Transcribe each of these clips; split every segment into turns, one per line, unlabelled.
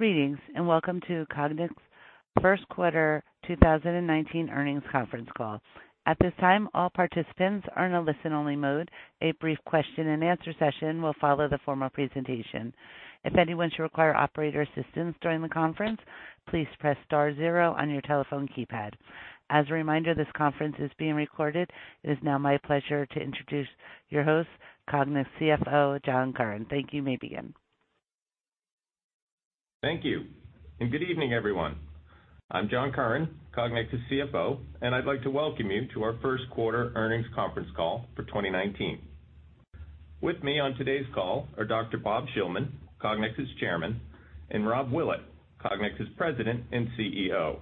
Greetings. Welcome to Cognex First Quarter 2019 Earnings Conference Call. At this time, all participants are in a listen-only mode. A brief question and answer session will follow the formal presentation. If anyone should require operator assistance during the conference, please press star zero on your telephone keypad. As a reminder, this conference is being recorded. It is now my pleasure to introduce your host, Cognex CFO, John Curran. Thank you. You may begin.
Thank you. Good evening, everyone. I'm John Curran, Cognex's CFO, and I'd like to welcome you to our first quarter earnings conference call for 2019. With me on today's call are Dr. Bob Shillman, Cognex's Chairman, and Rob Willett, Cognex's President and CEO.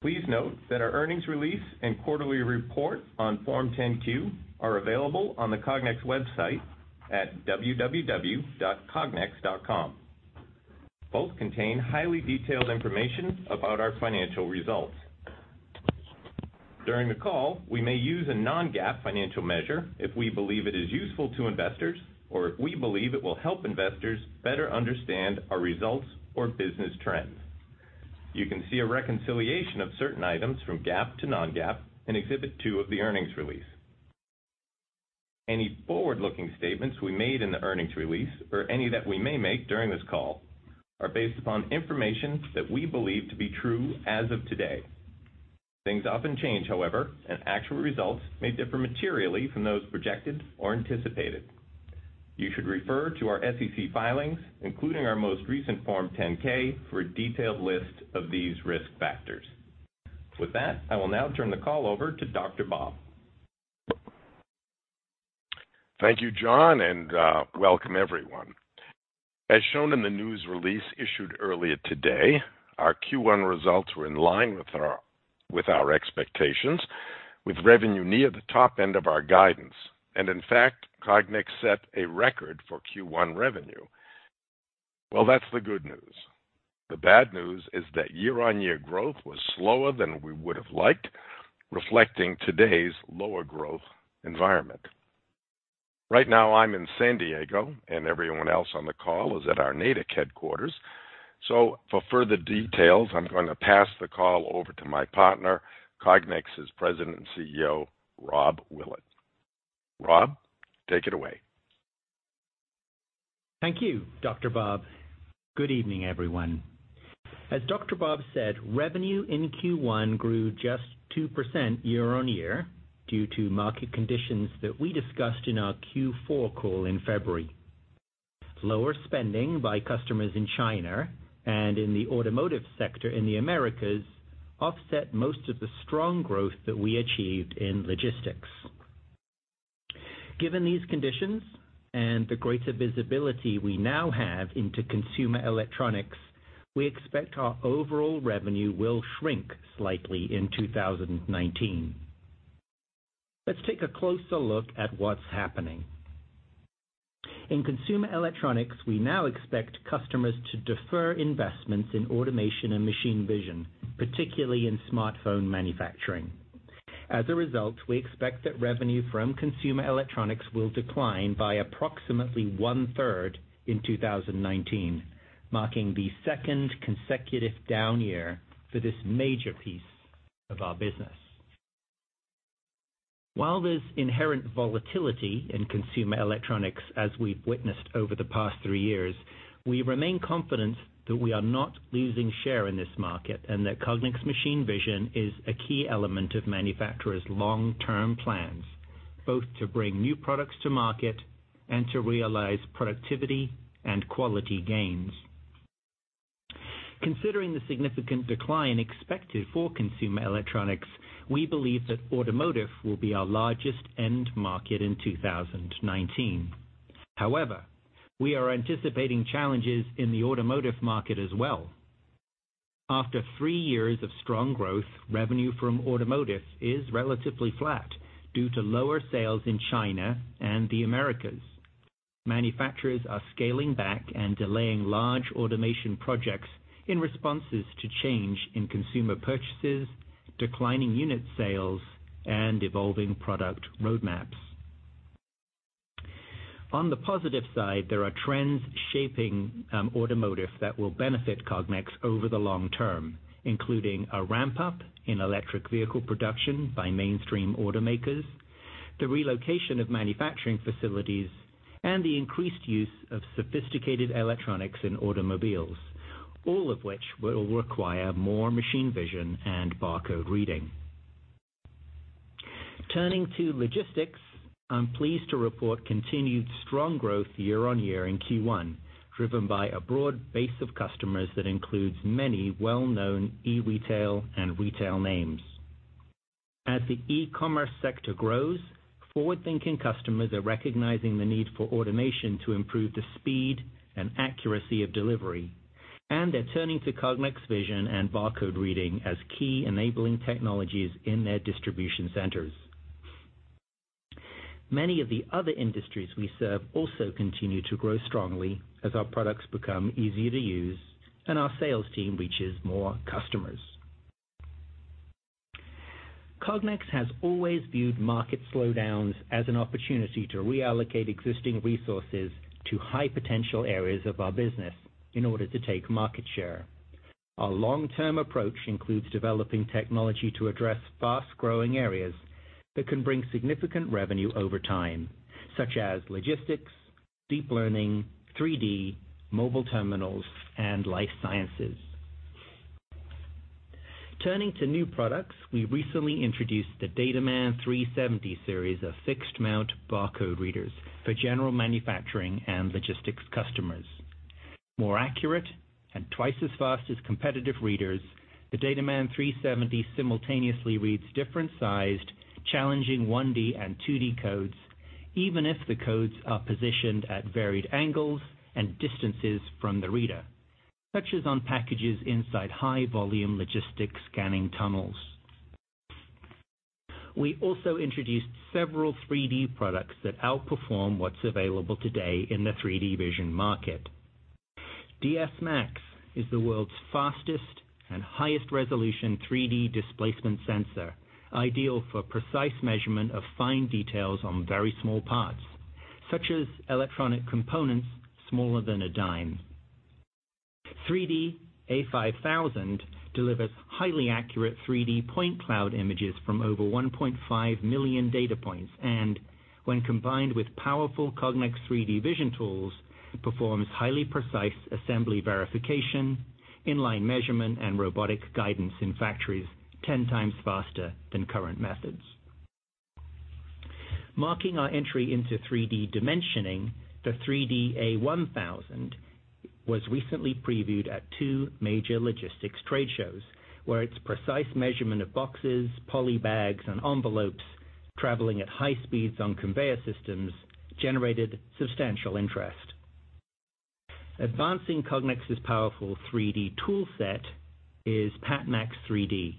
Please note that our earnings release and quarterly report on Form 10-Q are available on the Cognex website at www.cognex.com. Both contain highly detailed information about our financial results. During the call, we may use a non-GAAP financial measure if we believe it is useful to investors or if we believe it will help investors better understand our results or business trends. You can see a reconciliation of certain items from GAAP to non-GAAP in Exhibit 2 of the earnings release. Any forward-looking statements we made in the earnings release or any that we may make during this call are based upon information that we believe to be true as of today. Things often change, however. Actual results may differ materially from those projected or anticipated. You should refer to our SEC filings, including our most recent Form 10-K for a detailed list of these risk factors. With that, I will now turn the call over to Dr. Bob.
Thank you, John. Welcome everyone. As shown in the news release issued earlier today, our Q1 results were in line with our expectations with revenue near the top end of our guidance. In fact, Cognex set a record for Q1 revenue. Well, that's the good news. The bad news is that year-on-year growth was slower than we would have liked, reflecting today's lower growth environment. Right now I'm in San Diego, and everyone else on the call is at our Natick headquarters. For further details, I'm going to pass the call over to my partner, Cognex's President and CEO, Rob Willett. Rob, take it away.
Thank you, Dr. Bob. Good evening, everyone. As Dr. Bob said, revenue in Q1 grew just 2% year-on-year due to market conditions that we discussed in our Q4 call in February. Lower spending by customers in China and in the automotive sector in the Americas offset most of the strong growth that we achieved in logistics. Given these conditions and the greater visibility we now have into consumer electronics, we expect our overall revenue will shrink slightly in 2019. Let's take a closer look at what's happening. In consumer electronics, we now expect customers to defer investments in automation and machine vision, particularly in smartphone manufacturing. As a result, we expect that revenue from consumer electronics will decline by approximately one-third in 2019, marking the second consecutive down year for this major piece of our business. While there's inherent volatility in consumer electronics as we've witnessed over the past three years, we remain confident that we are not losing share in this market, and that Cognex machine vision is a key element of manufacturers' long-term plans, both to bring new products to market and to realize productivity and quality gains. Considering the significant decline expected for consumer electronics, we believe that automotive will be our largest end market in 2019. We are anticipating challenges in the automotive market as well. After three years of strong growth, revenue from automotive is relatively flat due to lower sales in China and the Americas. Manufacturers are scaling back and delaying large automation projects in responses to change in consumer purchases, declining unit sales, and evolving product roadmaps. On the positive side, there are trends shaping automotive that will benefit Cognex over the long term, including a ramp-up in electric vehicle production by mainstream automakers, the relocation of manufacturing facilities, and the increased use of sophisticated electronics in automobiles, all of which will require more machine vision and barcode reading. Turning to logistics, I'm pleased to report continued strong growth year-on-year in Q1, driven by a broad base of customers that includes many well-known e-retail and retail names. As the e-commerce sector grows, forward-thinking customers are recognizing the need for automation to improve the speed and accuracy of delivery, and they're turning to Cognex vision and barcode reading as key enabling technologies in their distribution centers. Many of the other industries we serve also continue to grow strongly as our products become easier to use and our sales team reaches more customers. Cognex has always viewed market slowdowns as an opportunity to reallocate existing resources to high potential areas of our business in order to take market share. Our long-term approach includes developing technology to address fast-growing areas that can bring significant revenue over time, such as logistics, deep learning, 3D, mobile terminals, and life sciences. Turning to new products, we recently introduced the DataMan 370 series of fixed mount barcode readers for general manufacturing and logistics customers. More accurate and twice as fast as competitive readers, the DataMan 370 simultaneously reads different sized, challenging 1D and 2D codes, even if the codes are positioned at varied angles and distances from the reader, such as on packages inside high volume logistics scanning tunnels. We also introduced several 3D products that outperform what's available today in the 3D vision market. DSMax is the world's fastest and highest resolution 3D displacement sensor, ideal for precise measurement of fine details on very small parts, such as electronic components smaller than a dime. 3D-A5000 delivers highly accurate 3D point cloud images from over 1.5 million data points and, when combined with powerful Cognex 3D vision tools, performs highly precise assembly verification, in-line measurement, and robotic guidance in factories 10 times faster than current methods. Marking our entry into 3D dimensioning, the 3D-A1000 was recently previewed at two major logistics trade shows, where its precise measurement of boxes, poly bags, and envelopes traveling at high speeds on conveyor systems generated substantial interest. Advancing Cognex's powerful 3D tool set is PatMax 3D,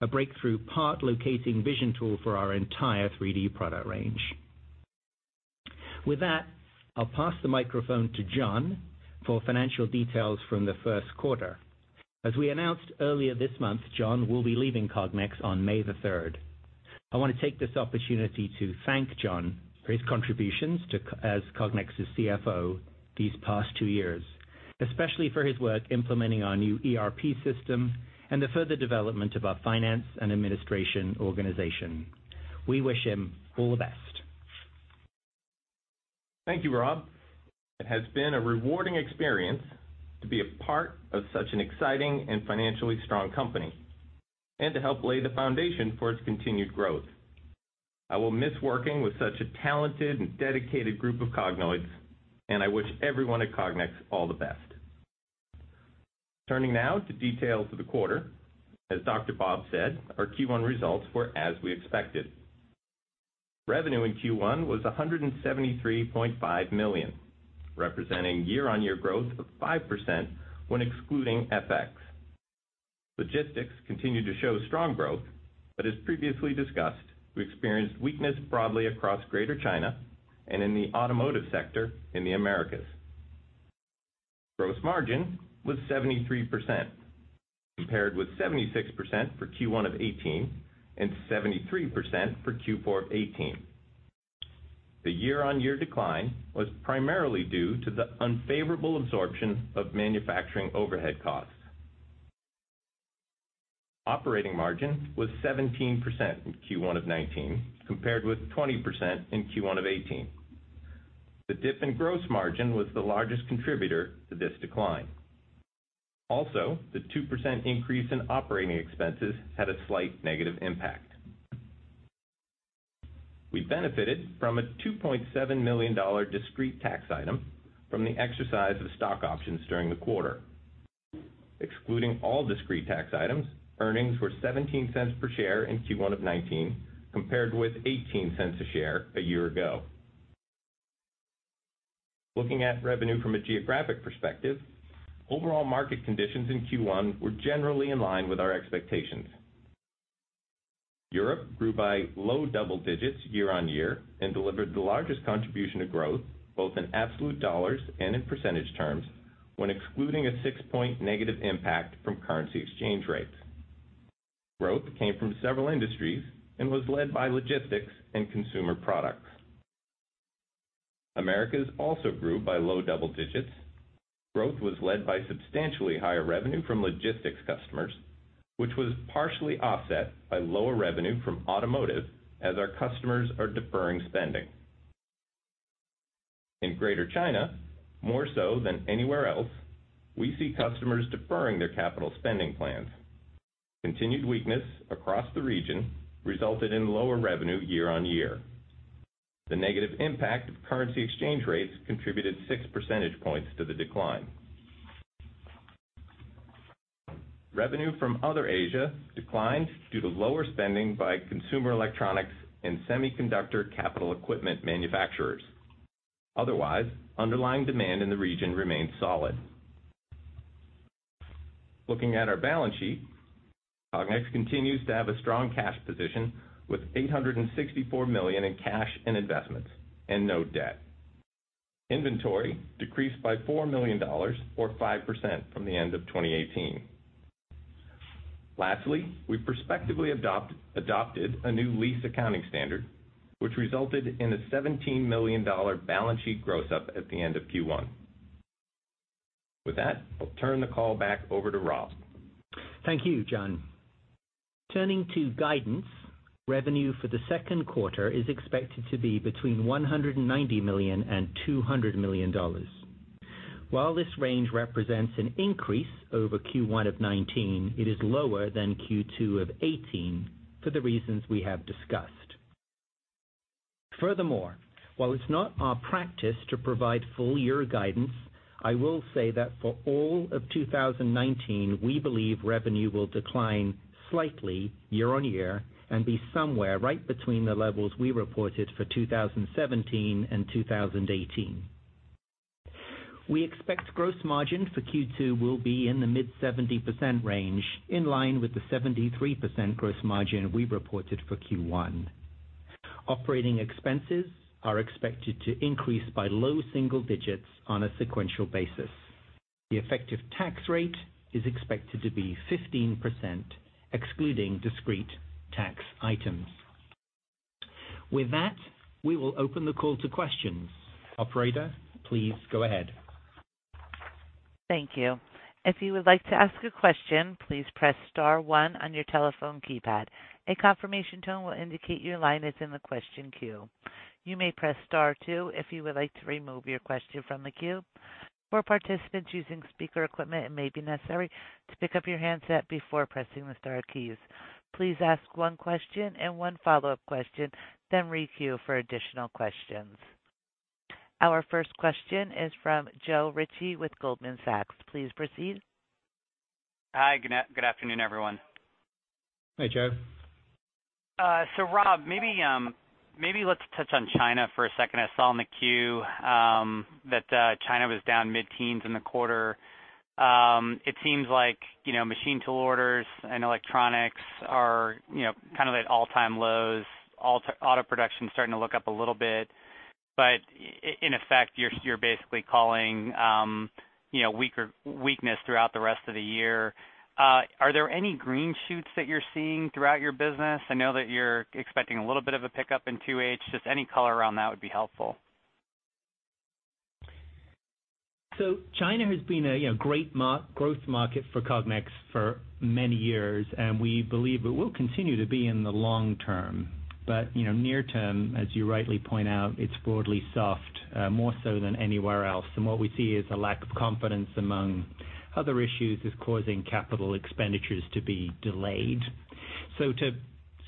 a breakthrough part locating vision tool for our entire 3D product range. With that, I'll pass the microphone to John for financial details from the first quarter. As we announced earlier this month, John will be leaving Cognex on May the 3rd. I want to take this opportunity to thank John for his contributions as Cognex's CFO these past two years, especially for his work implementing our new ERP system and the further development of our finance and administration organization. We wish him all the best.
Thank you, Rob. It has been a rewarding experience to be a part of such an exciting and financially strong company, and to help lay the foundation for its continued growth. I will miss working with such a talented and dedicated group of Cognoids, and I wish everyone at Cognex all the best. Turning now to details of the quarter. As Dr. Bob said, our Q1 results were as we expected. Revenue in Q1 was $173.5 million, representing year-on-year growth of 5% when excluding FX. Logistics continued to show strong growth, but as previously discussed, we experienced weakness broadly across Greater China and in the automotive sector in the Americas. Gross margin was 73%, compared with 76% for Q1 of 2018 and 73% for Q4 of 2018. The year-on-year decline was primarily due to the unfavorable absorption of manufacturing overhead costs. Operating margin was 17% in Q1 of 2019, compared with 20% in Q1 of 2018. The dip in gross margin was the largest contributor to this decline. Also, the 2% increase in operating expenses had a slight negative impact. We benefited from a $2.7 million discrete tax item from the exercise of stock options during the quarter. Excluding all discrete tax items, earnings were $0.17 per share in Q1 of 2019, compared with $0.18 a share a year ago. Looking at revenue from a geographic perspective, overall market conditions in Q1 were generally in line with our expectations. Europe grew by low double digits year-on-year and delivered the largest contribution to growth, both in absolute dollars and in percentage terms, when excluding a six-point negative impact from currency exchange rates. Growth came from several industries and was led by logistics and consumer products. Americas also grew by low double digits. Growth was led by substantially higher revenue from logistics customers, which was partially offset by lower revenue from automotive, as our customers are deferring spending. In Greater China, more so than anywhere else, we see customers deferring their capital spending plans. Continued weakness across the region resulted in lower revenue year-on-year. The negative impact of currency exchange rates contributed six percentage points to the decline. Revenue from other Asia declined due to lower spending by consumer electronics and semiconductor capital equipment manufacturers. Otherwise, underlying demand in the region remained solid. Looking at our balance sheet, Cognex continues to have a strong cash position, with $864 million in cash and investments and no debt. Inventory decreased by $4 million, or 5%, from the end of 2018. Lastly, we prospectively adopted a new lease accounting standard, which resulted in a $17 million balance sheet gross-up at the end of Q1. With that, I'll turn the call back over to Rob.
Thank you, John. Turning to guidance, revenue for the second quarter is expected to be between $190 million and $200 million. While this range represents an increase over Q1 of 2019, it is lower than Q2 of 2018 for the reasons we have discussed. Furthermore, while it's not our practice to provide full year guidance, I will say that for all of 2019, we believe revenue will decline slightly year-on-year and be somewhere right between the levels we reported for 2017 and 2018. We expect gross margin for Q2 will be in the mid 70% range, in line with the 73% gross margin we reported for Q1. Operating expenses are expected to increase by low single digits on a sequential basis. The effective tax rate is expected to be 15%, excluding discrete tax items. With that, we will open the call to questions. Operator, please go ahead.
Thank you. If you would like to ask a question, please press star one on your telephone keypad. A confirmation tone will indicate your line is in the question queue. You may press star two if you would like to remove your question from the queue. For participants using speaker equipment, it may be necessary to pick up your handset before pressing the star keys. Please ask one question and one follow-up question, then re-queue for additional questions. Our first question is from Joe Ritchie with Goldman Sachs. Please proceed.
Hi, good afternoon, everyone.
Hey, Joe.
Rob, maybe let's touch on China for a second. I saw in the queue that China was down mid-teens in the quarter. It seems like machine tool orders and electronics are at all-time lows. Auto production's starting to look up a little bit. In effect, you're basically calling weakness throughout the rest of the year. Are there any green shoots that you're seeing throughout your business? I know that you're expecting a little bit of a pickup in 2H. Just any color around that would be helpful.
China has been a great growth market for Cognex for many years, and we believe it will continue to be in the long term. Near term, as you rightly point out, it's broadly soft, more so than anywhere else. What we see is a lack of confidence among other issues is causing capital expenditures to be delayed. To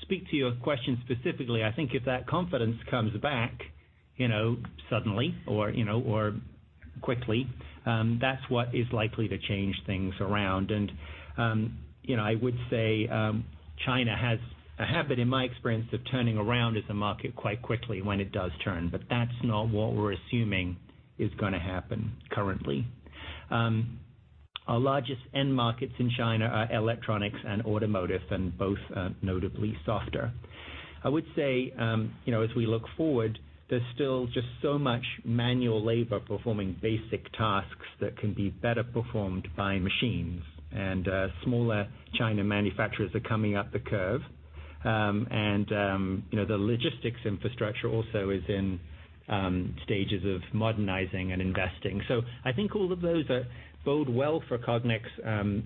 speak to your question specifically, I think if that confidence comes back suddenly or quickly, that's what is likely to change things around. I would say China has a habit, in my experience, of turning around as a market quite quickly when it does turn, but that's not what we're assuming is going to happen currently. Our largest end markets in China are electronics and automotive, and both are notably softer. I would say, as we look forward, there's still just so much manual labor performing basic tasks that can be better performed by machines, smaller China manufacturers are coming up the curve. The logistics infrastructure also is in stages of modernizing and investing. I think all of those bode well for Cognex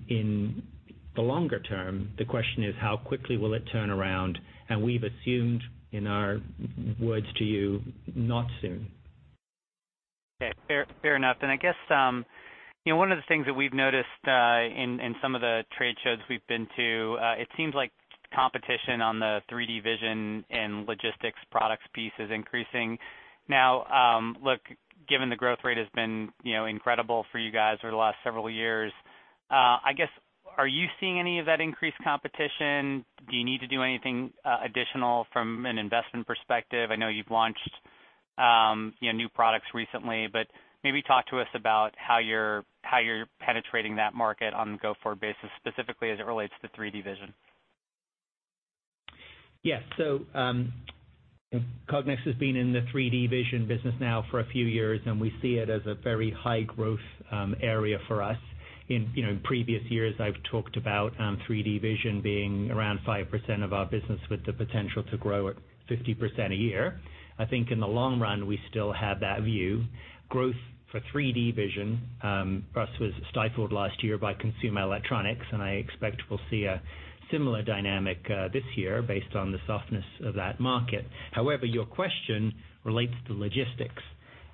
in the longer term. The question is how quickly will it turn around? We've assumed, in our words to you, not soon.
Okay. Fair enough. I guess, one of the things that we've noticed in some of the trade shows we've been to, it seems like competition on the 3D vision and logistics products piece is increasing. Look, given the growth rate has been incredible for you guys over the last several years, I guess, are you seeing any of that increased competition? Do you need to do anything additional from an investment perspective? I know you've launched new products recently, but maybe talk to us about how you're penetrating that market on a go-forward basis, specifically as it relates to 3D vision.
Yeah. Cognex has been in the 3D vision business now for a few years, we see it as a very high growth area for us. In previous years, I've talked about 3D vision being around 5% of our business, with the potential to grow at 50% a year. I think in the long run, we still have that view. Growth for 3D vision for us was stifled last year by consumer electronics, I expect we'll see a similar dynamic this year based on the softness of that market. However, your question relates to logistics,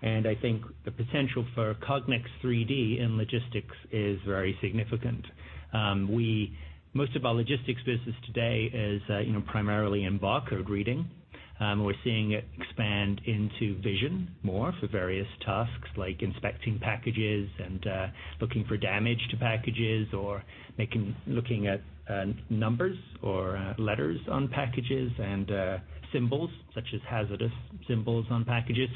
I think the potential for Cognex 3D in logistics is very significant. Most of our logistics business today is primarily in barcode reading. We're seeing it expand into vision more for various tasks, like inspecting packages and looking for damage to packages, or looking at numbers or letters on packages, and symbols, such as hazardous symbols on packages.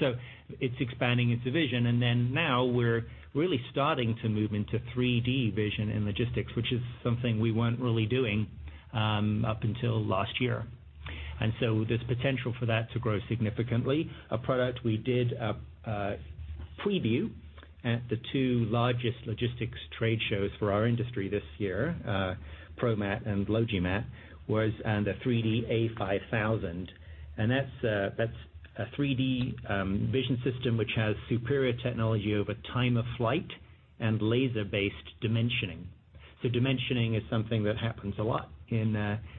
It's expanding into vision. Then now we're really starting to move into 3D vision and logistics, which is something we weren't really doing up until last year. There's potential for that to grow significantly. A product we did a preview at the two largest logistics trade shows for our industry this year, ProMat and LogiMAT, was the 3D-A5000. That's a 3D vision system which has superior technology over Time of Flight and laser-based dimensioning. Dimensioning is something that happens a lot in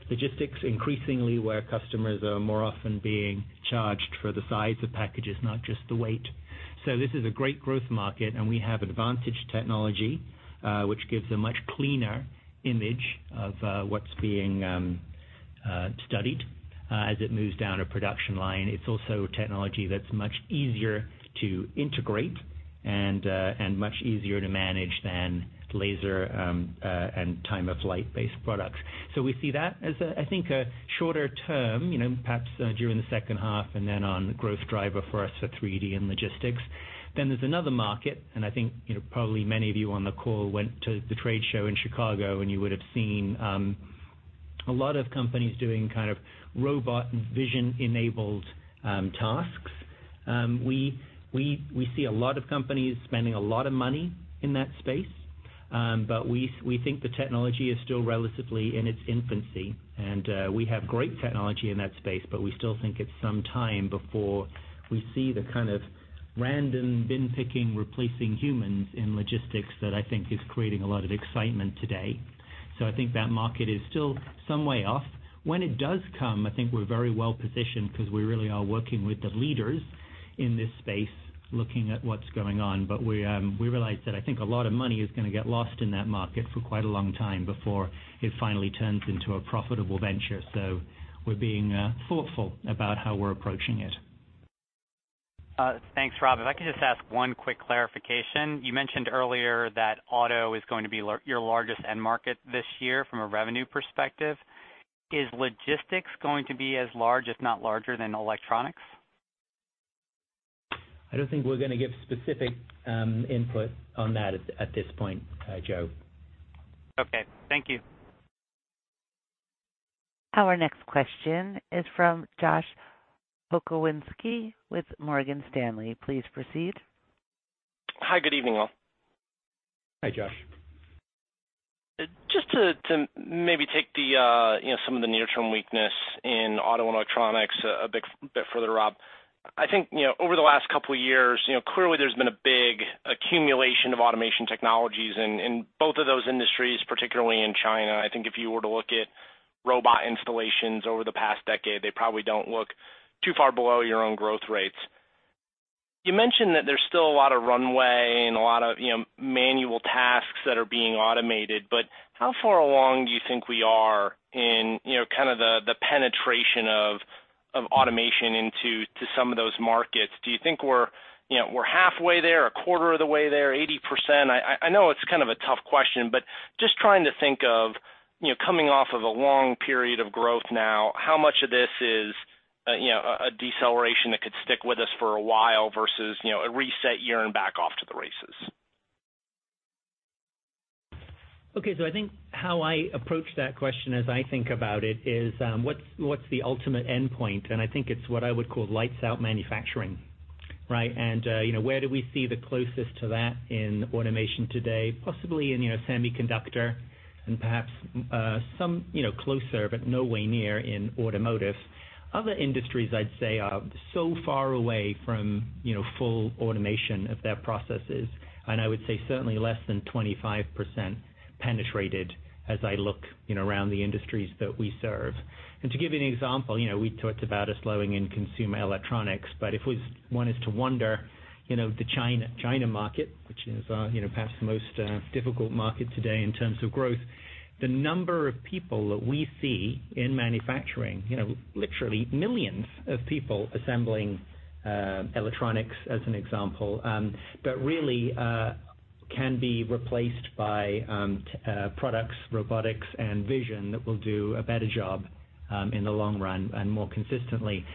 logistics, increasingly where customers are more often being charged for the size of packages, not just the weight. This is a great growth market. We have advantage technology, which gives a much cleaner image of what's being studied, as it moves down a production line. It's also technology that's much easier to integrate and much easier to manage than laser and Time of Flight based products. We see that as, I think, a shorter term, perhaps, during the second half and then on growth driver for us for 3D and logistics. There's another market. I think, probably many of you on the call went to the trade show in Chicago, you would have seen a lot of companies doing kind of robot and vision-enabled tasks. We see a lot of companies spending a lot of money in that space. We think the technology is still relatively in its infancy. We have great technology in that space, but we still think it's some time before we see the kind of random bin picking, replacing humans in logistics that I think is creating a lot of excitement today. I think that market is still some way off. When it does come, I think we're very well-positioned because we really are working with the leaders in this space, looking at what's going on. We realize that I think a lot of money is going to get lost in that market for quite a long time before it finally turns into a profitable venture. We're being thoughtful about how we're approaching it.
Thanks, Rob. If I could just ask one quick clarification. You mentioned earlier that auto is going to be your largest end market this year from a revenue perspective. Is logistics going to be as large, if not larger, than electronics?
I don't think we're going to give specific input on that at this point, Joe.
Okay. Thank you.
Our next question is from Josh Pokrzywinski with Morgan Stanley. Please proceed.
Hi. Good evening, all.
Hi, Josh.
Just to maybe take some of the near-term weakness in auto and electronics a bit further, Rob. I think, over the last couple of years, clearly there's been a big accumulation of automation technologies in both of those industries, particularly in China. I think if you were to look at robot installations over the past decade, they probably don't look too far below your own growth rates. You mentioned that there's still a lot of runway and a lot of manual tasks that are being automated, but how far along do you think we are in kind of the penetration of automation into some of those markets? Do you think we're halfway there, a quarter of the way there, 80%? I know it's kind of a tough question, but just trying to think of coming off of a long period of growth now, how much of this is a deceleration that could stick with us for a while versus a reset year and back off to the races?
I think how I approach that question as I think about it is, what's the ultimate endpoint? I think it's what I would call lights out manufacturing. Right? Where do we see the closest to that in automation today? Possibly in semiconductor and perhaps, some closer, but no way near in automotive. Other industries, I'd say, are so far away from full automation of their processes, and I would say certainly less than 25% penetrated as I look around the industries that we serve. To give you an example, we talked about a slowing in consumer electronics, but if one is to wonder the China market, which is perhaps the most difficult market today in terms of growth, the number of people that we see in manufacturing, literally millions of people assembling electronics as an example, but really can be replaced by products, robotics, and vision that will do a better job, in the long run and more consistently,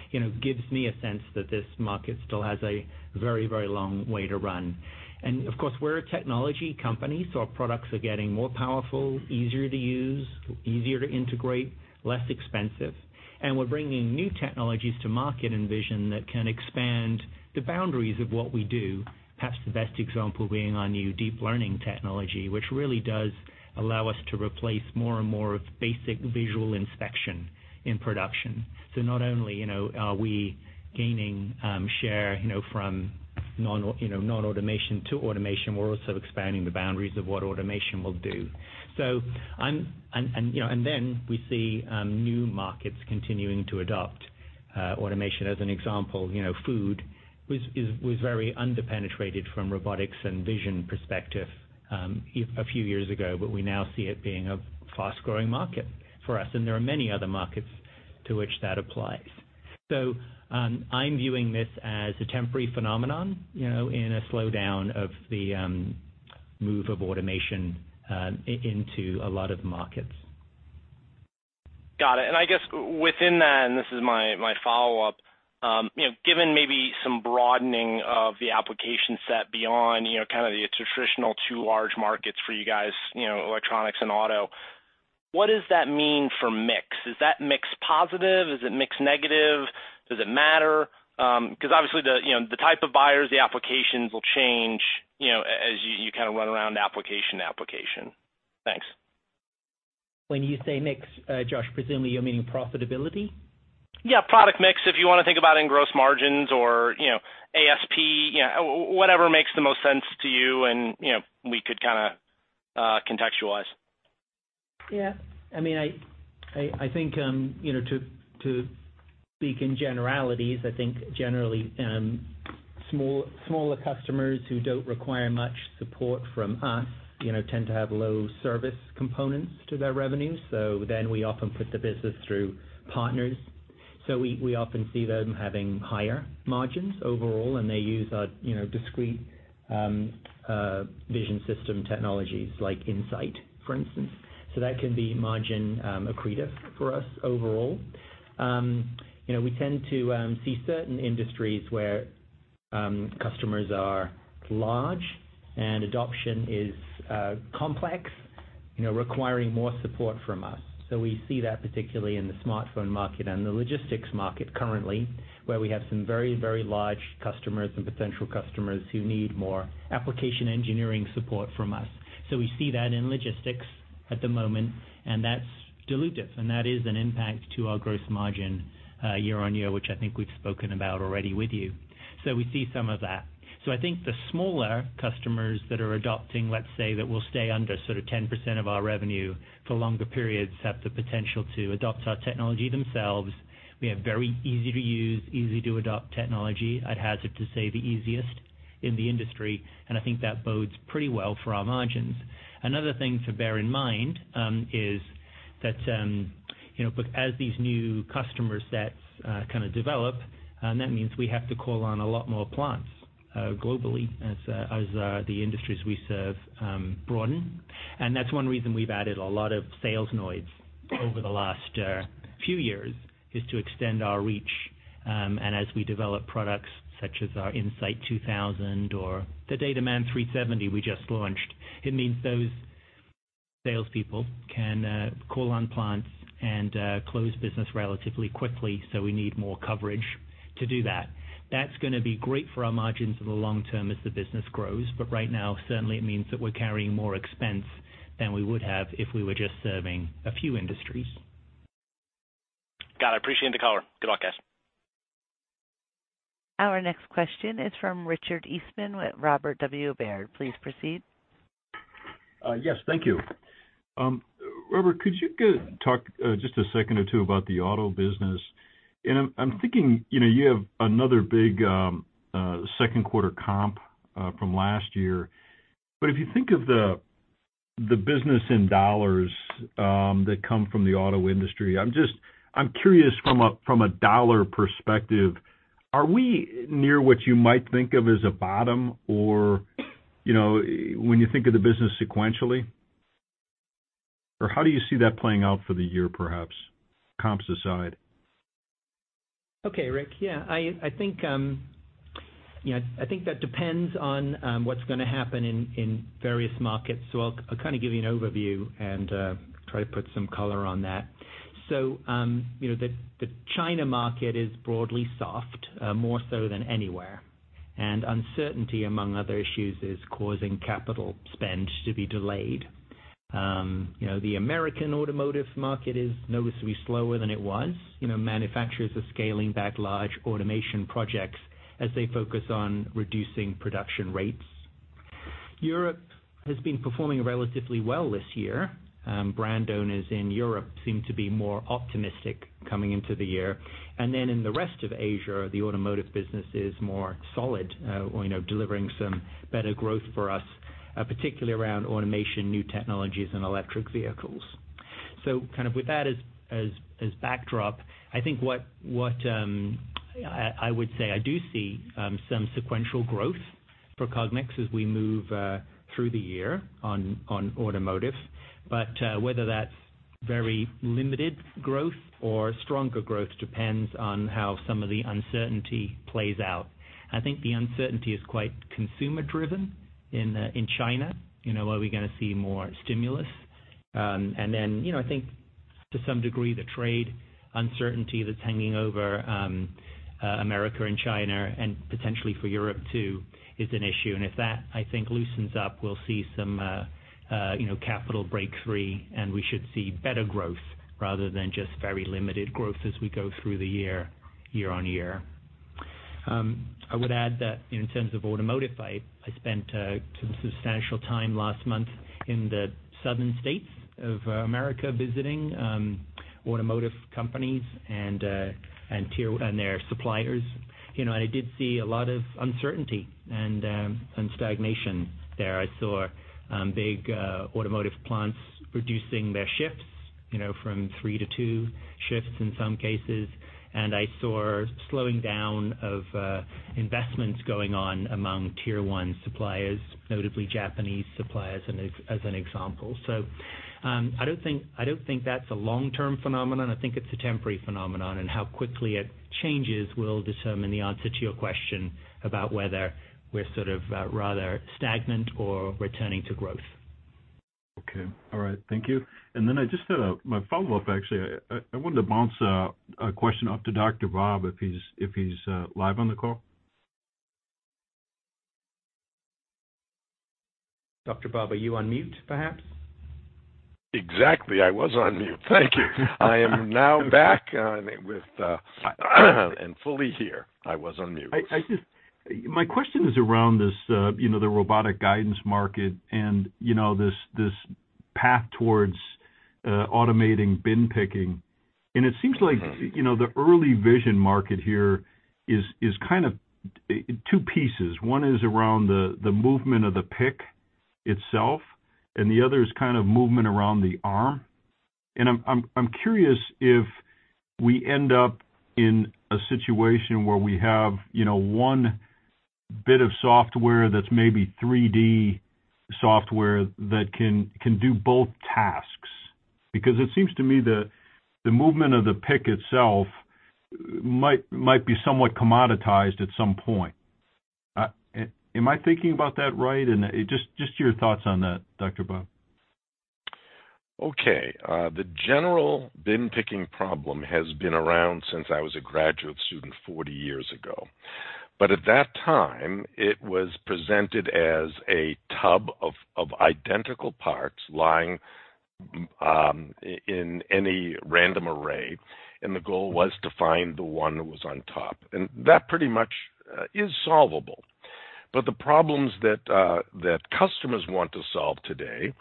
gives me a sense that this market still has a very long way to run. Of course, we're a technology company, so our products are getting more powerful, easier to use, easier to integrate, less expensive. We're bringing new technologies to market and vision that can expand the boundaries of what we do, perhaps the best example being our new deep learning technology, which really does allow us to replace more and more of basic visual inspection in production. Not only are we gaining share from non-automation to automation, we're also expanding the boundaries of what automation will do. We see new markets continuing to adopt automation. As an example, food was very under-penetrated from robotics and vision perspective a few years ago, but we now see it being a fast-growing market for us, and there are many other markets to which that applies. I'm viewing this as a temporary phenomenon in a slowdown of the move of automation into a lot of markets.
Got it. I guess within that, and this is my follow-upGiven maybe some broadening of the application set beyond kind of the traditional two large markets for you guys, electronics and auto, what does that mean for mix? Is that mix positive? Is it mix negative? Does it matter? Because obviously, the type of buyers, the applications will change as you kind of run around application to application. Thanks.
When you say mix, Josh, presumably you're meaning profitability?
Yeah, product mix, if you want to think about in gross margins or ASP, whatever makes the most sense to you, we could kind of contextualize.
Yeah. I think to speak in generalities, I think generally, smaller customers who don't require much support from us tend to have low service components to their revenue. We often put the business through partners. We often see them having higher margins overall, and they use our discrete vision system technologies like In-Sight, for instance. That can be margin accretive for us overall. We tend to see certain industries where customers are large and adoption is complex, requiring more support from us. We see that particularly in the smartphone market and the logistics market currently, where we have some very large customers and potential customers who need more application engineering support from us. We see that in logistics at the moment, and that's dilutive, and that is an impact to our gross margin year-on-year, which I think we've spoken about already with you. We see some of that. I think the smaller customers that are adopting, let's say, that will stay under sort of 10% of our revenue for longer periods, have the potential to adopt our technology themselves. We have very easy to use, easy to adopt technology. I'd hazard to say the easiest in the industry, and I think that bodes pretty well for our margins. Another thing to bear in mind, is that as these new customer sets kind of develop, that means we have to call on a lot more plants globally as the industries we serve broaden. That's one reason we've added a lot of sales nodes over the last few years, is to extend our reach. As we develop products such as our In-Sight 2000 or the DataMan 370 we just launched, it means those salespeople can call on plants and close business relatively quickly, so we need more coverage to do that. That's going to be great for our margins in the long term as the business grows. Right now, certainly it means that we're carrying more expense than we would have if we were just serving a few industries.
Got it. I appreciate the color. Good luck, guys.
Our next question is from Richard Eastman with Robert W. Baird. Please proceed.
Yes, thank you. Robert, could you talk just a second or two about the auto business? I'm thinking, you have another big second quarter comp from last year, if you think of the business in $ that come from the auto industry, I'm curious from a $ perspective, are we near what you might think of as a bottom or when you think of the business sequentially? How do you see that playing out for the year perhaps, comps aside?
Okay, Rick. I think that depends on what's going to happen in various markets. I'll kind of give you an overview and try to put some color on that. The China market is broadly soft, more so than anywhere. Uncertainty, among other issues, is causing capital spend to be delayed. The American automotive market is noticeably slower than it was. Manufacturers are scaling back large automation projects as they focus on reducing production rates. Europe has been performing relatively well this year. Brand owners in Europe seem to be more optimistic coming into the year. In the rest of Asia, the automotive business is more solid, delivering some better growth for us, particularly around automation, new technologies, and electric vehicles. Kind of with that as backdrop, I think what I would say, I do see some sequential growth for Cognex as we move through the year on automotive. Whether that's very limited growth or stronger growth depends on how some of the uncertainty plays out. I think the uncertainty is quite consumer driven in China. Are we going to see more stimulus? Then, I think to some degree, the trade uncertainty that's hanging over America and China, and potentially for Europe too, is an issue. If that, I think, loosens up, we'll see some capital break free, and we should see better growth rather than just very limited growth as we go through the year-on-year. I would add that in terms of automotive, I spent some substantial time last month in the southern states of America visiting automotive companies and their suppliers. I did see a lot of uncertainty and stagnation there. I saw big automotive plants reducing their shifts from three to two shifts in some cases. I saw slowing down of investments going on among Tier 1 suppliers, notably Japanese suppliers as an example. I don't think that's a long-term phenomenon. I think it's a temporary phenomenon. How quickly it changes will determine the answer to your question about whether we're sort of rather stagnant or returning to growth.
Okay. All right. Thank you. I just had my follow-up, actually. I wanted to bounce a question off to Dr. Bob, if he's live on the call.
Dr. Bob, are you on mute, perhaps?
Exactly. I was on mute. Thank you. I am now back and fully here. I was on mute.
My question is around the robotic guidance market and this path towards automating bin picking. It seems like the early vision market here is two pieces. One is around the movement of the pick itself, the other is movement around the arm. I'm curious if we end up in a situation where we have one bit of software that's maybe 3D software that can do both tasks. It seems to me the movement of the pick itself might be somewhat commoditized at some point. Am I thinking about that right? Just your thoughts on that, Dr. Bob.
Okay. The general bin picking problem has been around since I was a graduate student 40 years ago. At that time, it was presented as a tub of identical parts lying in any random array, the goal was to find the one that was on top. That pretty much is solvable. The problems that customers want to solve today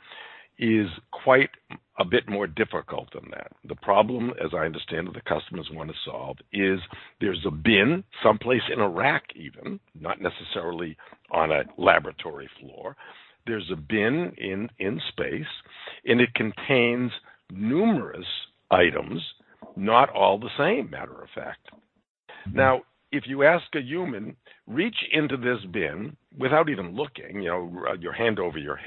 is quite a bit more difficult than that. The problem, as I understand that the customers want to solve, is there's a bin someplace in a rack even, not necessarily on a laboratory floor. There's a bin in space, it contains numerous items, not all the same, matter of fact. If you ask a human, reach into this bin without even looking, your hand over your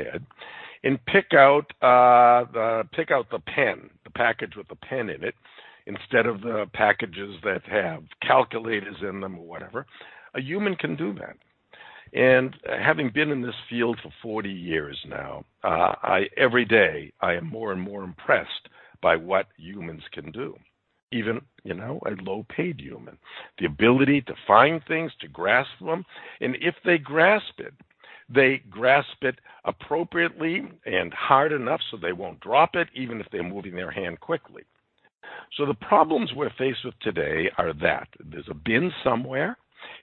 head, pick out the pen, the package with the pen in it, instead of the packages that have calculators in them or whatever, a human can do that. Having been in this field for 40 years now, every day, I am more and more impressed by what humans can do. Even a low-paid human. The ability to find things, to grasp them, if they grasp it, they grasp it appropriately and hard enough so they won't drop it, even if they're moving their hand quickly. The problems we're faced with today are that there's a bin somewhere,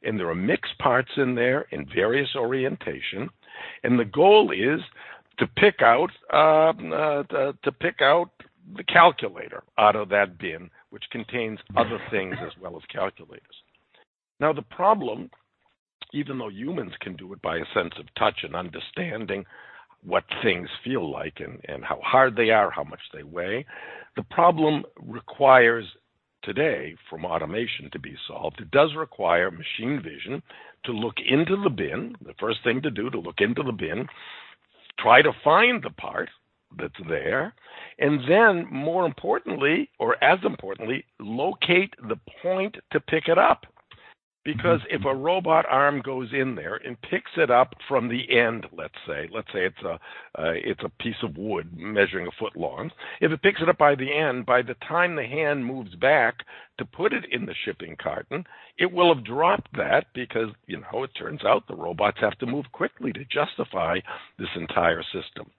there are mixed parts in there in various orientation, the goal is to pick out the calculator out of that bin, which contains other things as well as calculators. The problem, even though humans can do it by a sense of touch and understanding what things feel like and how hard they are, how much they weigh, the problem requires today from automation to be solved. It does require machine vision to look into the bin. The first thing to do, to look into the bin, try to find the part that's there, then more importantly, or as importantly, locate the point to pick it up. If a robot arm goes in there and picks it up from the end, let's say it's a piece of wood measuring a foot long. If it picks it up by the end, by the time the hand moves back to put it in the shipping carton, it will have dropped that because it turns out the robots have to move quickly to justify this entire system.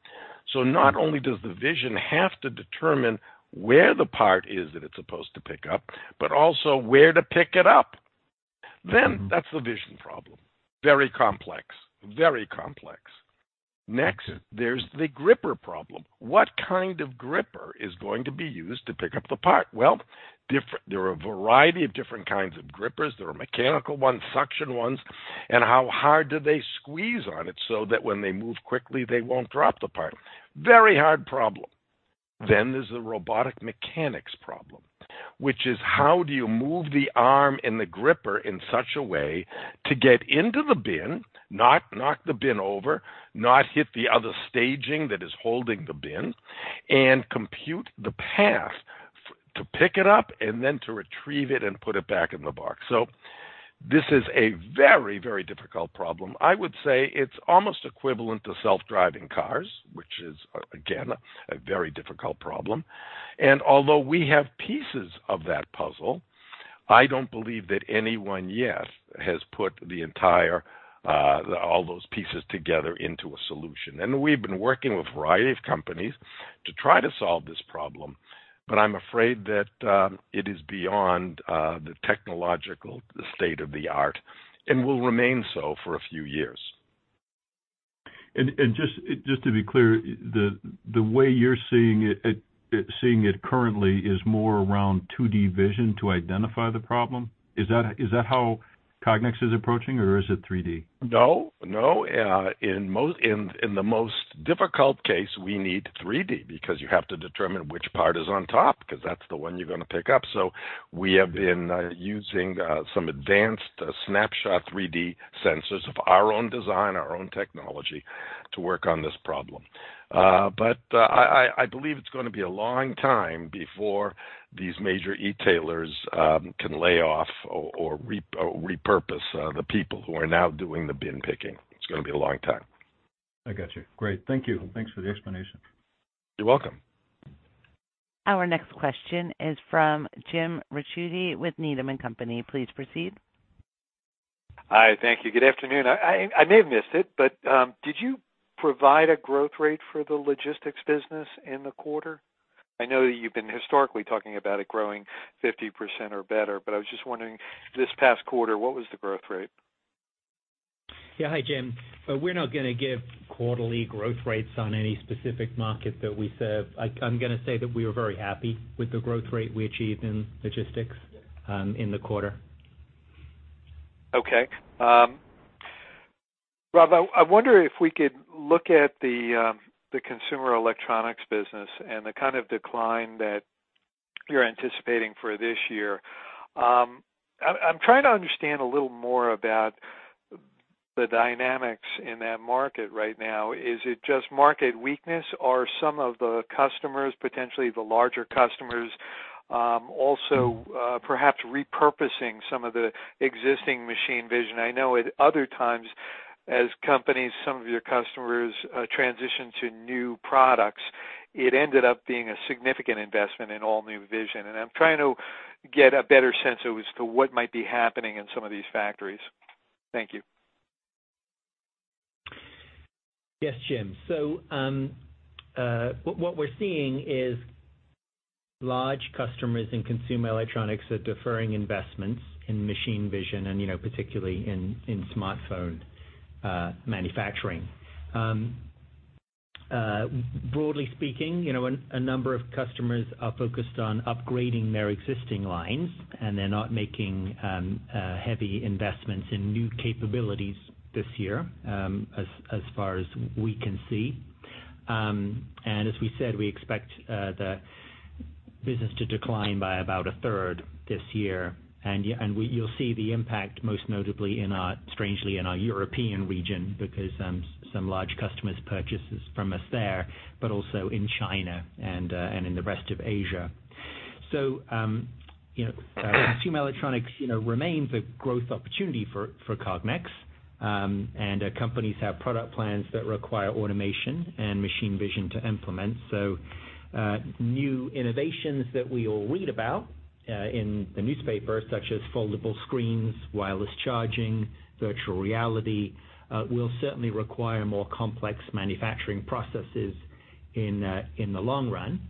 Not only does the vision have to determine where the part is that it's supposed to pick up, but also where to pick it up. That's the vision problem. Very complex. There's the gripper problem. What kind of gripper is going to be used to pick up the part? Well, there are a variety of different kinds of grippers. There are mechanical ones, suction ones, and how hard do they squeeze on it so that when they move quickly, they won't drop the part? Very hard problem. There's the robotic mechanics problem, which is how do you move the arm and the gripper in such a way to get into the bin, not knock the bin over, not hit the other staging that is holding the bin, and compute the path to pick it up and then to retrieve it and put it back in the box. This is a very, very difficult problem. I would say it's almost equivalent to self-driving cars, which is again, a very difficult problem. Although we have pieces of that puzzle, I don't believe that anyone yet has put all those pieces together into a solution. We've been working with a variety of companies to try to solve this problem, but I'm afraid that it is beyond the technological state of the art and will remain so for a few years.
Just to be clear, the way you're seeing it currently is more around 2D vision to identify the problem. Is that how Cognex is approaching, or is it 3D?
No. In the most difficult case, we need 3D because you have to determine which part is on top because that's the one you're going to pick up. We have been using some advanced snapshot 3D sensors of our own design, our own technology, to work on this problem. I believe it's going to be a long time before these major e-tailers can lay off or repurpose the people who are now doing the bin picking. It's going to be a long time.
I got you. Great. Thank you. Thanks for the explanation.
You're welcome.
Our next question is from James Ricchiuti with Needham & Company. Please proceed.
Hi, thank you. Good afternoon. I may have missed it, but did you provide a growth rate for the logistics business in the quarter? I know that you've been historically talking about it growing 50% or better, but I was just wondering, this past quarter, what was the growth rate?
Yeah. Hi, Jim. We're not going to give quarterly growth rates on any specific market that we serve. I'm going to say that we were very happy with the growth rate we achieved in logistics in the quarter.
Okay. Rob, I wonder if we could look at the consumer electronics business and the kind of decline that you're anticipating for this year. I'm trying to understand a little more about the dynamics in that market right now. Is it just market weakness, or some of the customers, potentially the larger customers, also perhaps repurposing some of the existing machine vision? I know at other times, as companies, some of your customers transition to new products, it ended up being a significant investment in all new vision, and I'm trying to get a better sense of as to what might be happening in some of these factories. Thank you.
Yes, Jim. What we're seeing is large customers in consumer electronics are deferring investments in machine vision and particularly in smartphone manufacturing. Broadly speaking, a number of customers are focused on upgrading their existing lines, and they're not making heavy investments in new capabilities this year, as far as we can see. As we said, we expect the business to decline by about a third this year. You'll see the impact, most notably, strangely, in our European region, because some large customers purchases from us there, but also in China and in the rest of Asia. Consumer electronics remains a growth opportunity for Cognex. Companies have product plans that require automation and machine vision to implement. New innovations that we all read about in the newspaper, such as foldable screens, wireless charging, virtual reality, will certainly require more complex manufacturing processes in the long run.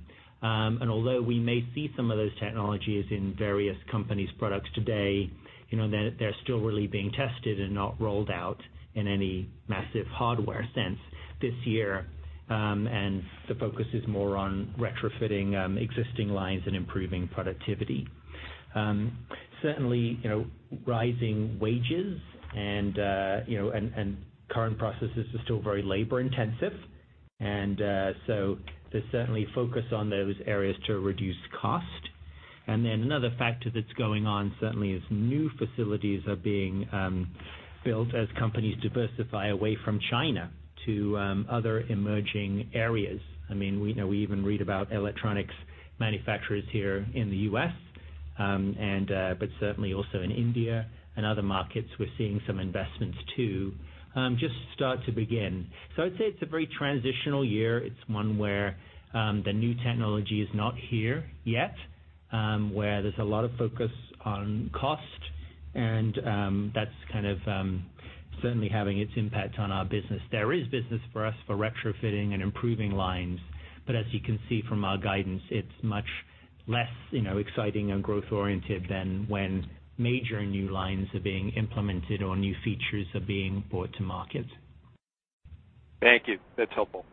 Although we may see some of those technologies in various companies' products today, they're still really being tested and not rolled out in any massive hardware sense this year. The focus is more on retrofitting existing lines and improving productivity. Certainly, rising wages and current processes are still very labor-intensive, there's certainly focus on those areas to reduce cost. Another factor that's going on, certainly, is new facilities are being built as companies diversify away from China to other emerging areas. We even read about electronics manufacturers here in the U.S., but certainly also in India and other markets, we're seeing some investments too, just start to begin. I'd say it's a very transitional year. It's one where the new technology is not here yet, where there's a lot of focus on cost, and that's kind of certainly having its impact on our business. There is business for us for retrofitting and improving lines, but as you can see from our guidance, it's much less exciting and growth-oriented than when major new lines are being implemented or new features are being brought to market.
Thank you. That's helpful.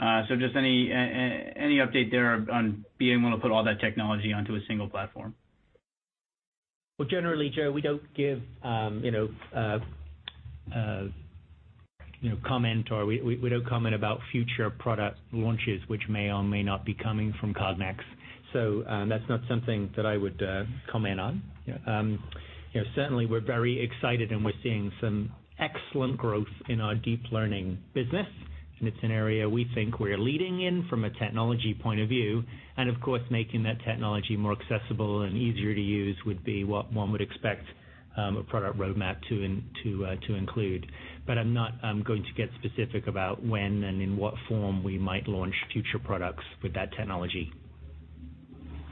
Just any update there on being able to put all that technology onto a single platform?
Well, generally, Joe, we don't give comment, or we don't comment about future product launches, which may or may not be coming from Cognex. That's not something that I would comment on. Certainly, we're very excited, and we're seeing some excellent growth in our deep learning business, and it's an area we think we're leading in from a technology point of view. Of course, making that technology more accessible and easier to use would be what one would expect a product roadmap to include. I'm not going to get specific about when and in what form we might launch future products with that technology.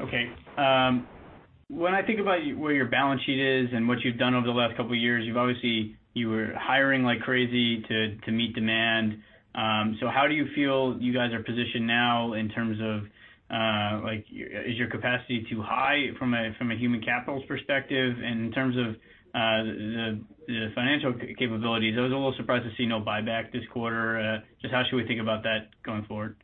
Okay. When I think about where your balance sheet is and what you've done over the last couple of years, obviously, you were hiring like crazy to meet demand. How do you feel you guys are positioned now in terms of, is your capacity too high from a human capital perspective? In terms of the financial capabilities, I was a little surprised to see no buyback this quarter. Just how should we think about that going forward?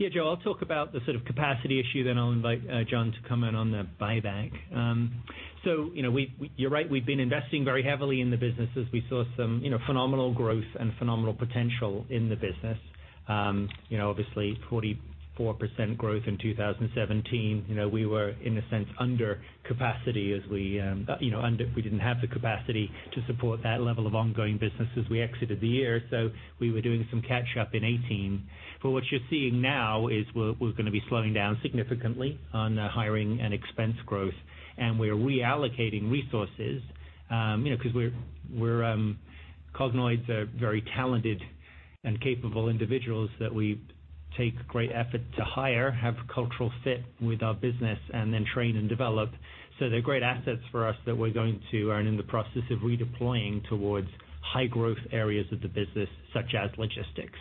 Yeah, Joe, I'll talk about the capacity issue, then I'll invite John to comment on the buyback. You're right. We've been investing very heavily in the business as we saw some phenomenal growth and phenomenal potential in the business. Obviously, 44% growth in 2017. We were, in a sense, under capacity. We didn't have the capacity to support that level of ongoing business as we exited the year. We were doing some catch up in 2018. What you're seeing now is we're going to be slowing down significantly on hiring and expense growth, and we're reallocating resources, because Cognoids are very talented and capable individuals that we take great effort to hire, have cultural fit with our business, and then train and develop. They're great assets for us that we're in the process of redeploying towards high growth areas of the business such as logistics.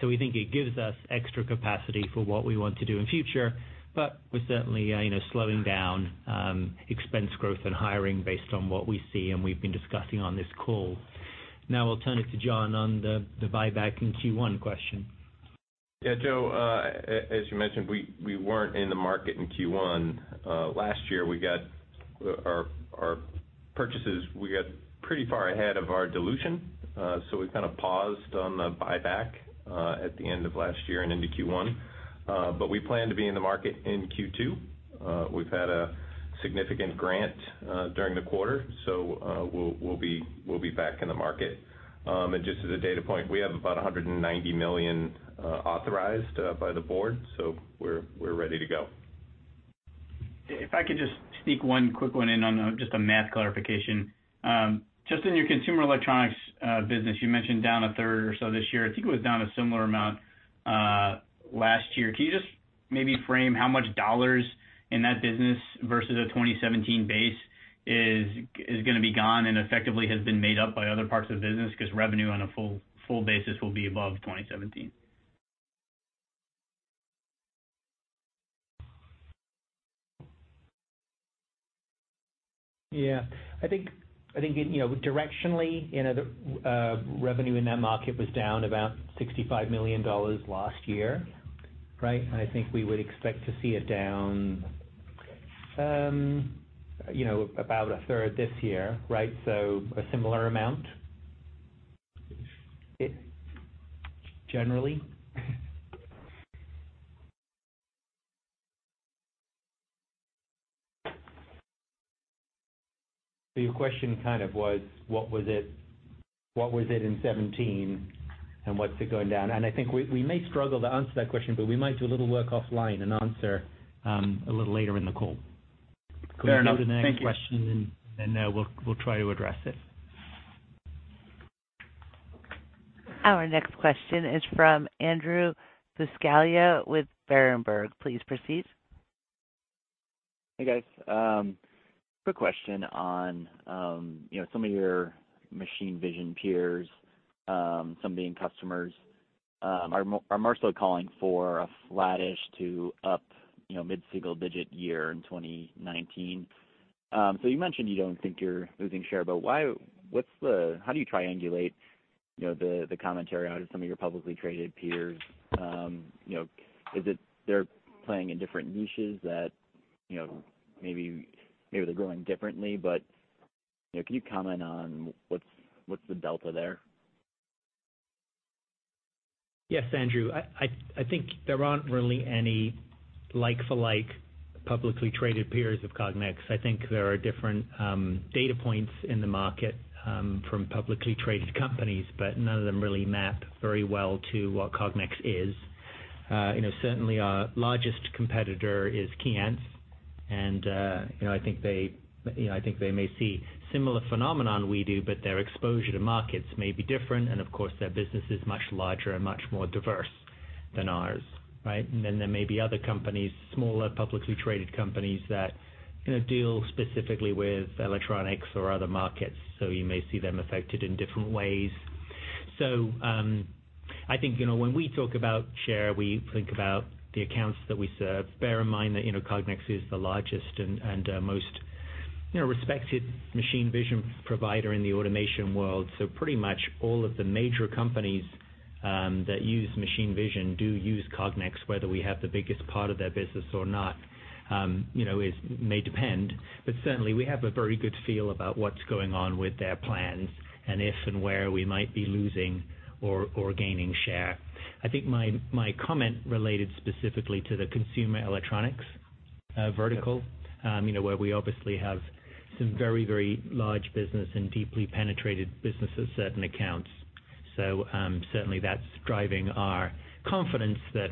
We think it gives us extra capacity for what we want to do in future. We're certainly slowing down expense growth and hiring based on what we see and we've been discussing on this call. Now I'll turn it to John on the buyback in Q1 question.
Yeah, Joe, as you mentioned, we weren't in the market in Q1. Last year, we got pretty far ahead of our dilution. We kind of paused on the buyback at the end of last year and into Q1. We plan to be in the market in Q2. We've had a significant grant during the quarter. We'll be back in the market. Just as a data point, we have about $190 million authorized by the board, so we're ready to go.
If I could just sneak one quick one in on, just a math clarification. In your consumer electronics business, you mentioned down a third or so this year. I think it was down a similar amount last year. Can you just maybe frame how much dollars in that business versus a 2017 base is going to be gone and effectively has been made up by other parts of the business? Revenue on a full basis will be above 2017.
I think directionally, revenue in that market was down about $65 million last year, right? I think we would expect to see it down about a third this year, right? A similar amount, generally. Your question kind of was, what was it in 2017 and what's it going down? I think we may struggle to answer that question, but we might do a little work offline and answer a little later in the call.
Fair enough. Thank you.
Can we go to the next question and we'll try to address it.
Our next question is from Andrew Buscaglia with Berenberg. Please proceed.
Hey, guys. Quick question on some of your machine vision peers, some being customers, are more so calling for a flattish to up mid-single digit year in 2019. You mentioned you don't think you're losing share, but how do you triangulate the commentary out of some of your publicly traded peers? Is it they're playing in different niches that maybe they're growing differently, but can you comment on what's the delta there?
Yes, Andrew. I think there aren't really any like-for-like publicly traded peers of Cognex. I think there are different data points in the market from publicly traded companies, but none of them really map very well to what Cognex is. Certainly, our largest competitor is KEYENCE. I think they may see similar phenomenon we do, but their exposure to markets may be different, and of course, their business is much larger and much more diverse than ours. Right? There may be other companies, smaller publicly traded companies that deal specifically with electronics or other markets. You may see them affected in different ways. I think, when we talk about share, we think about the accounts that we serve. Bear in mind that Cognex is the largest and most respected machine vision provider in the automation world. Pretty much all of the major companies that use machine vision do use Cognex, whether we have the biggest part of their business or not, may depend. Certainly, we have a very good feel about what's going on with their plans and if and where we might be losing or gaining share. I think my comment related specifically to the consumer electronics vertical where we obviously have some very large business and deeply penetrated business at certain accounts. Certainly that's driving our confidence that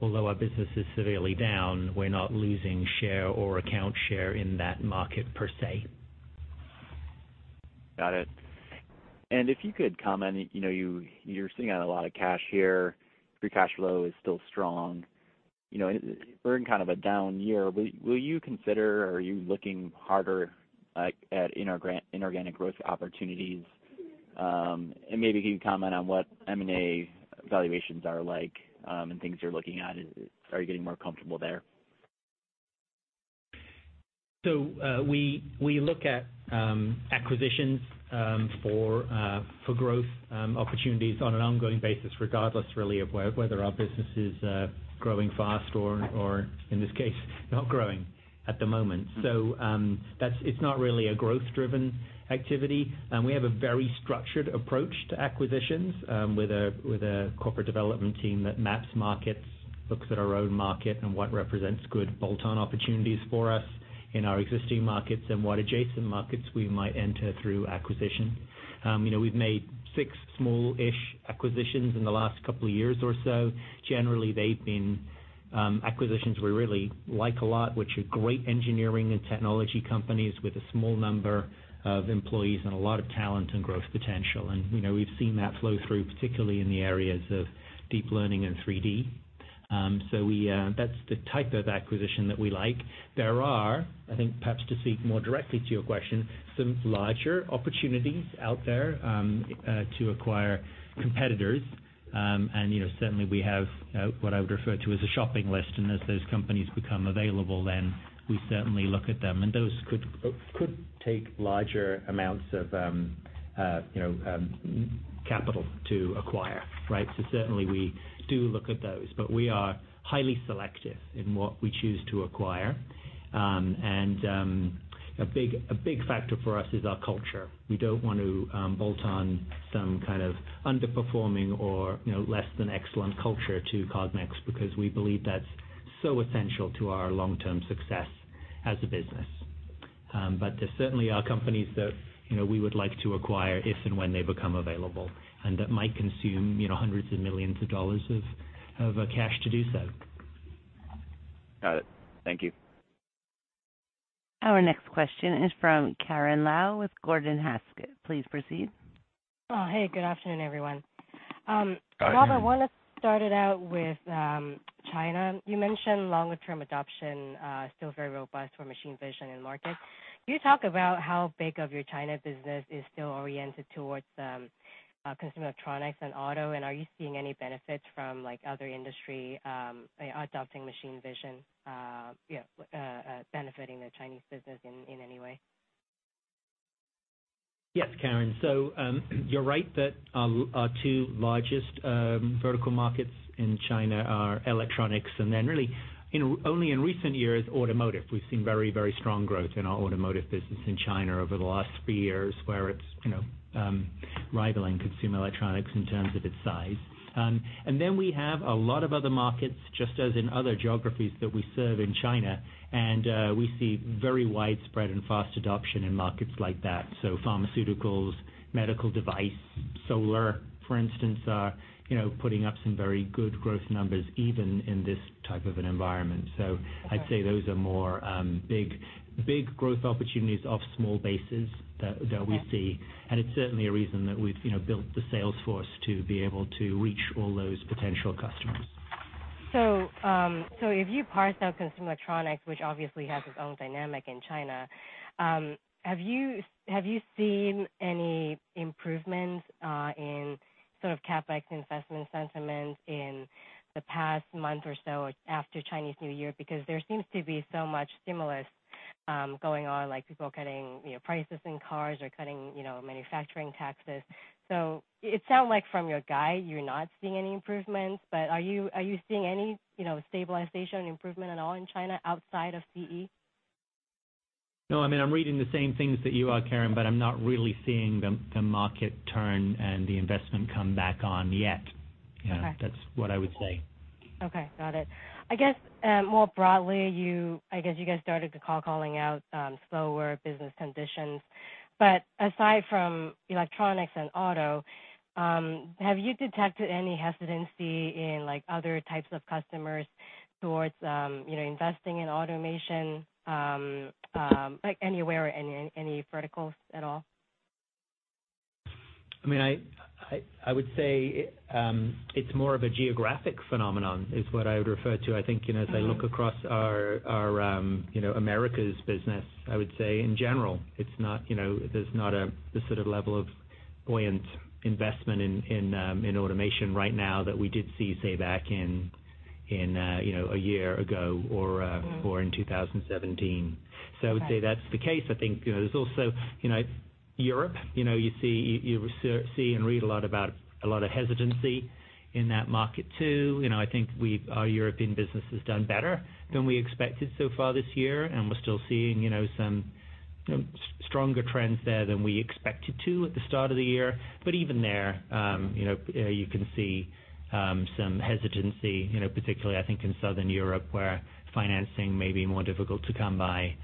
although our business is severely down, we're not losing share or account share in that market per se.
Got it. If you could comment, you're sitting on a lot of cash here. Free cash flow is still strong. We're in kind of a down year. Will you consider or are you looking harder at inorganic growth opportunities? Maybe can you comment on what M&A valuations are like and things you're looking at? Are you getting more comfortable there?
We look at acquisitions for growth opportunities on an ongoing basis, regardless really of whether our business is growing fast or, in this case, not growing at the moment. It's not really a growth-driven activity. We have a very structured approach to acquisitions, with a corporate development team that maps markets, looks at our own market and what represents good bolt-on opportunities for us in our existing markets, and what adjacent markets we might enter through acquisition. We've made six smallish acquisitions in the last couple of years or so. Generally, they've been acquisitions we really like a lot, which are great engineering and technology companies with a small number of employees and a lot of talent and growth potential. We've seen that flow through, particularly in the areas of deep learning and 3D. That's the type of acquisition that we like. There are, I think, perhaps to speak more directly to your question, some larger opportunities out there to acquire competitors. Certainly we have what I would refer to as a shopping list, and as those companies become available, we certainly look at them, and those could take larger amounts of capital to acquire, right? Certainly we do look at those, but we are highly selective in what we choose to acquire. A big factor for us is our culture. We don't want to bolt on some kind of underperforming or less than excellent culture to Cognex because we believe that's so essential to our long-term success as a business. There certainly are companies that we would like to acquire if and when they become available, and that might consume hundreds of millions of dollars of cash to do so.
Got it. Thank you.
Our next question is from Karen Lau with Gordon Haskett. Please proceed.
Oh, hey, good afternoon, everyone.
Hi, Karen.
Robert, want to start it out with China. You mentioned longer-term adoption still very robust for machine vision in markets. Can you talk about how big of your China business is still oriented towards consumer electronics and auto, and are you seeing any benefits from other industry adopting machine vision, benefiting the Chinese business in any way?
Yes, Karen. You're right that our two largest vertical markets in China are electronics and then really only in recent years, automotive. We've seen very strong growth in our automotive business in China over the last three years, where it's rivaling consumer electronics in terms of its size. We have a lot of other markets, just as in other geographies that we serve in China, and we see very widespread and fast adoption in markets like that. Pharmaceuticals, medical device, solar, for instance, are putting up some very good growth numbers even in this type of an environment. I'd say those are more big growth opportunities off small bases that we see, and it's certainly a reason that we've built the sales force to be able to reach all those potential customers.
If you parse out consumer electronics, which obviously has its own dynamic in China, have you seen any improvements in sort of CapEx investment sentiment in the past month or so after Chinese New Year? There seems to be so much stimulus going on, like people cutting prices in cars or cutting manufacturing taxes. It sound like from your guide, you're not seeing any improvements, but are you seeing any stabilization improvement at all in China outside of CE?
No, I'm reading the same things that you are, Karen, but I'm not really seeing the market turn and the investment come back on yet.
Okay.
That's what I would say.
Okay, got it. I guess more broadly, I guess you guys started the call calling out slower business conditions. Aside from electronics and auto, have you detected any hesitancy in other types of customers towards investing in automation, like anywhere in any verticals at all?
I would say it's more of a geographic phenomenon, is what I would refer to. I think as I look across our Americas business, I would say in general, there's not a sort of level of buoyant investment in automation right now that we did see, say, back in a year ago or in 2017.
Right.
I would say that's the case. I think there's also Europe. You see and read a lot about a lot of hesitancy in that market, too. I think our European business has done better than we expected so far this year, and we're still seeing some stronger trends there than we expected to at the start of the year. Even there, you can see some hesitancy, particularly I think in Southern Europe, where financing may be more difficult to come by.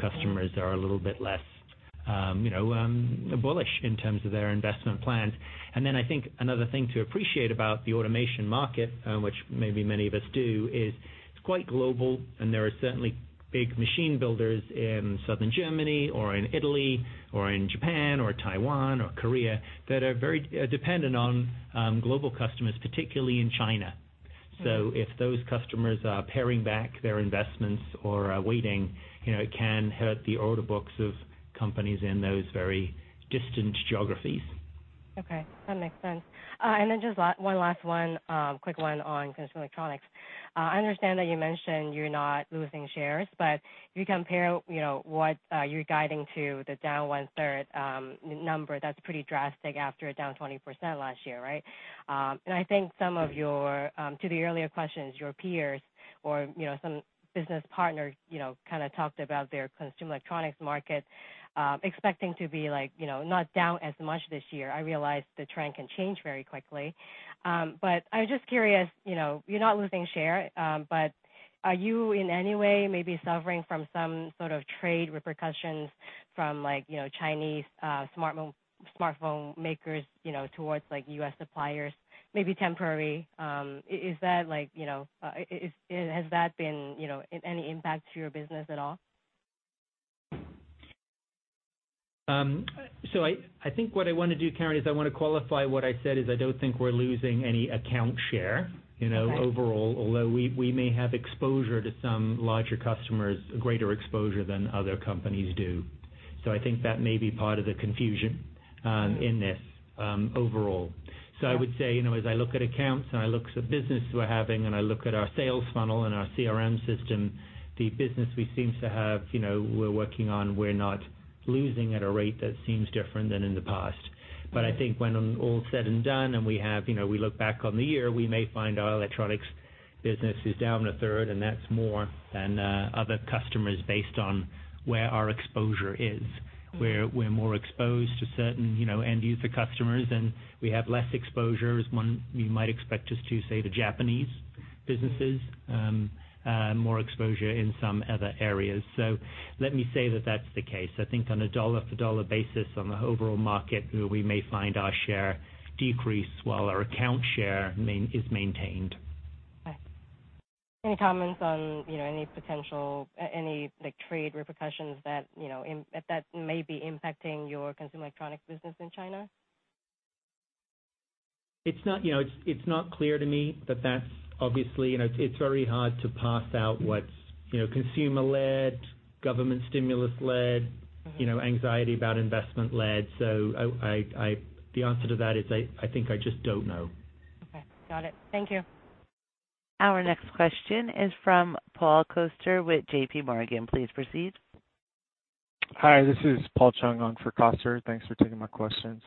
Customers are a little bit less bullish in terms of their investment plans. I think another thing to appreciate about the automation market, which maybe many of us do, is it's quite global, and there are certainly big machine builders in Southern Germany or in Italy or in Japan or Taiwan or Korea that are very dependent on global customers, particularly in China. If those customers are paring back their investments or are waiting, it can hurt the order books of companies in those very distant geographies.
Okay, that makes sense. Just one last one, quick one on consumer electronics. I understand that you mentioned you're not losing shares, but if you compare what you're guiding to the down 1/3 number, that's pretty drastic after a down 20% last year, right? I think some of your, to the earlier questions, your peers or some business partners kind of talked about their consumer electronics market expecting to be not down as much this year. I realize the trend can change very quickly. I'm just curious, you're not losing share, but are you in any way maybe suffering from some sort of trade repercussions from Chinese smartphone makers towards U.S. suppliers, maybe temporary? Has that been any impact to your business at all?
I think what I want to do, Karen, is I want to qualify what I said is I don't think we're losing any account share.
Okay
overall, although we may have exposure to some larger customers, a greater exposure than other companies do. I think that may be part of the confusion in this overall. I would say, as I look at accounts and I look at the business we're having, and I look at our sales funnel and our CRM system, the business we seem to have, we're working on, we're not losing at a rate that seems different than in the past. I think when all said and done, and we look back on the year, we may find our electronics business is down a third, and that's more than other customers based on where our exposure is, where we're more exposed to certain end user customers, and we have less exposure as one you might expect us to, say, the Japanese businesses, and more exposure in some other areas. Let me say that that's the case. I think on a dollar for dollar basis on the overall market, we may find our share decrease while our account share is maintained.
Okay. Any comments on any potential trade repercussions that may be impacting your consumer electronics business in China?
It's not clear to me that that's very hard to parse out what's consumer-led, government stimulus-led, anxiety about investment-led. The answer to that is, I think I just don't know.
Okay. Got it. Thank you.
Our next question is from Paul Coster with JPMorgan. Please proceed.
Hi, this is Paul Chung on for Coster. Thanks for taking my question.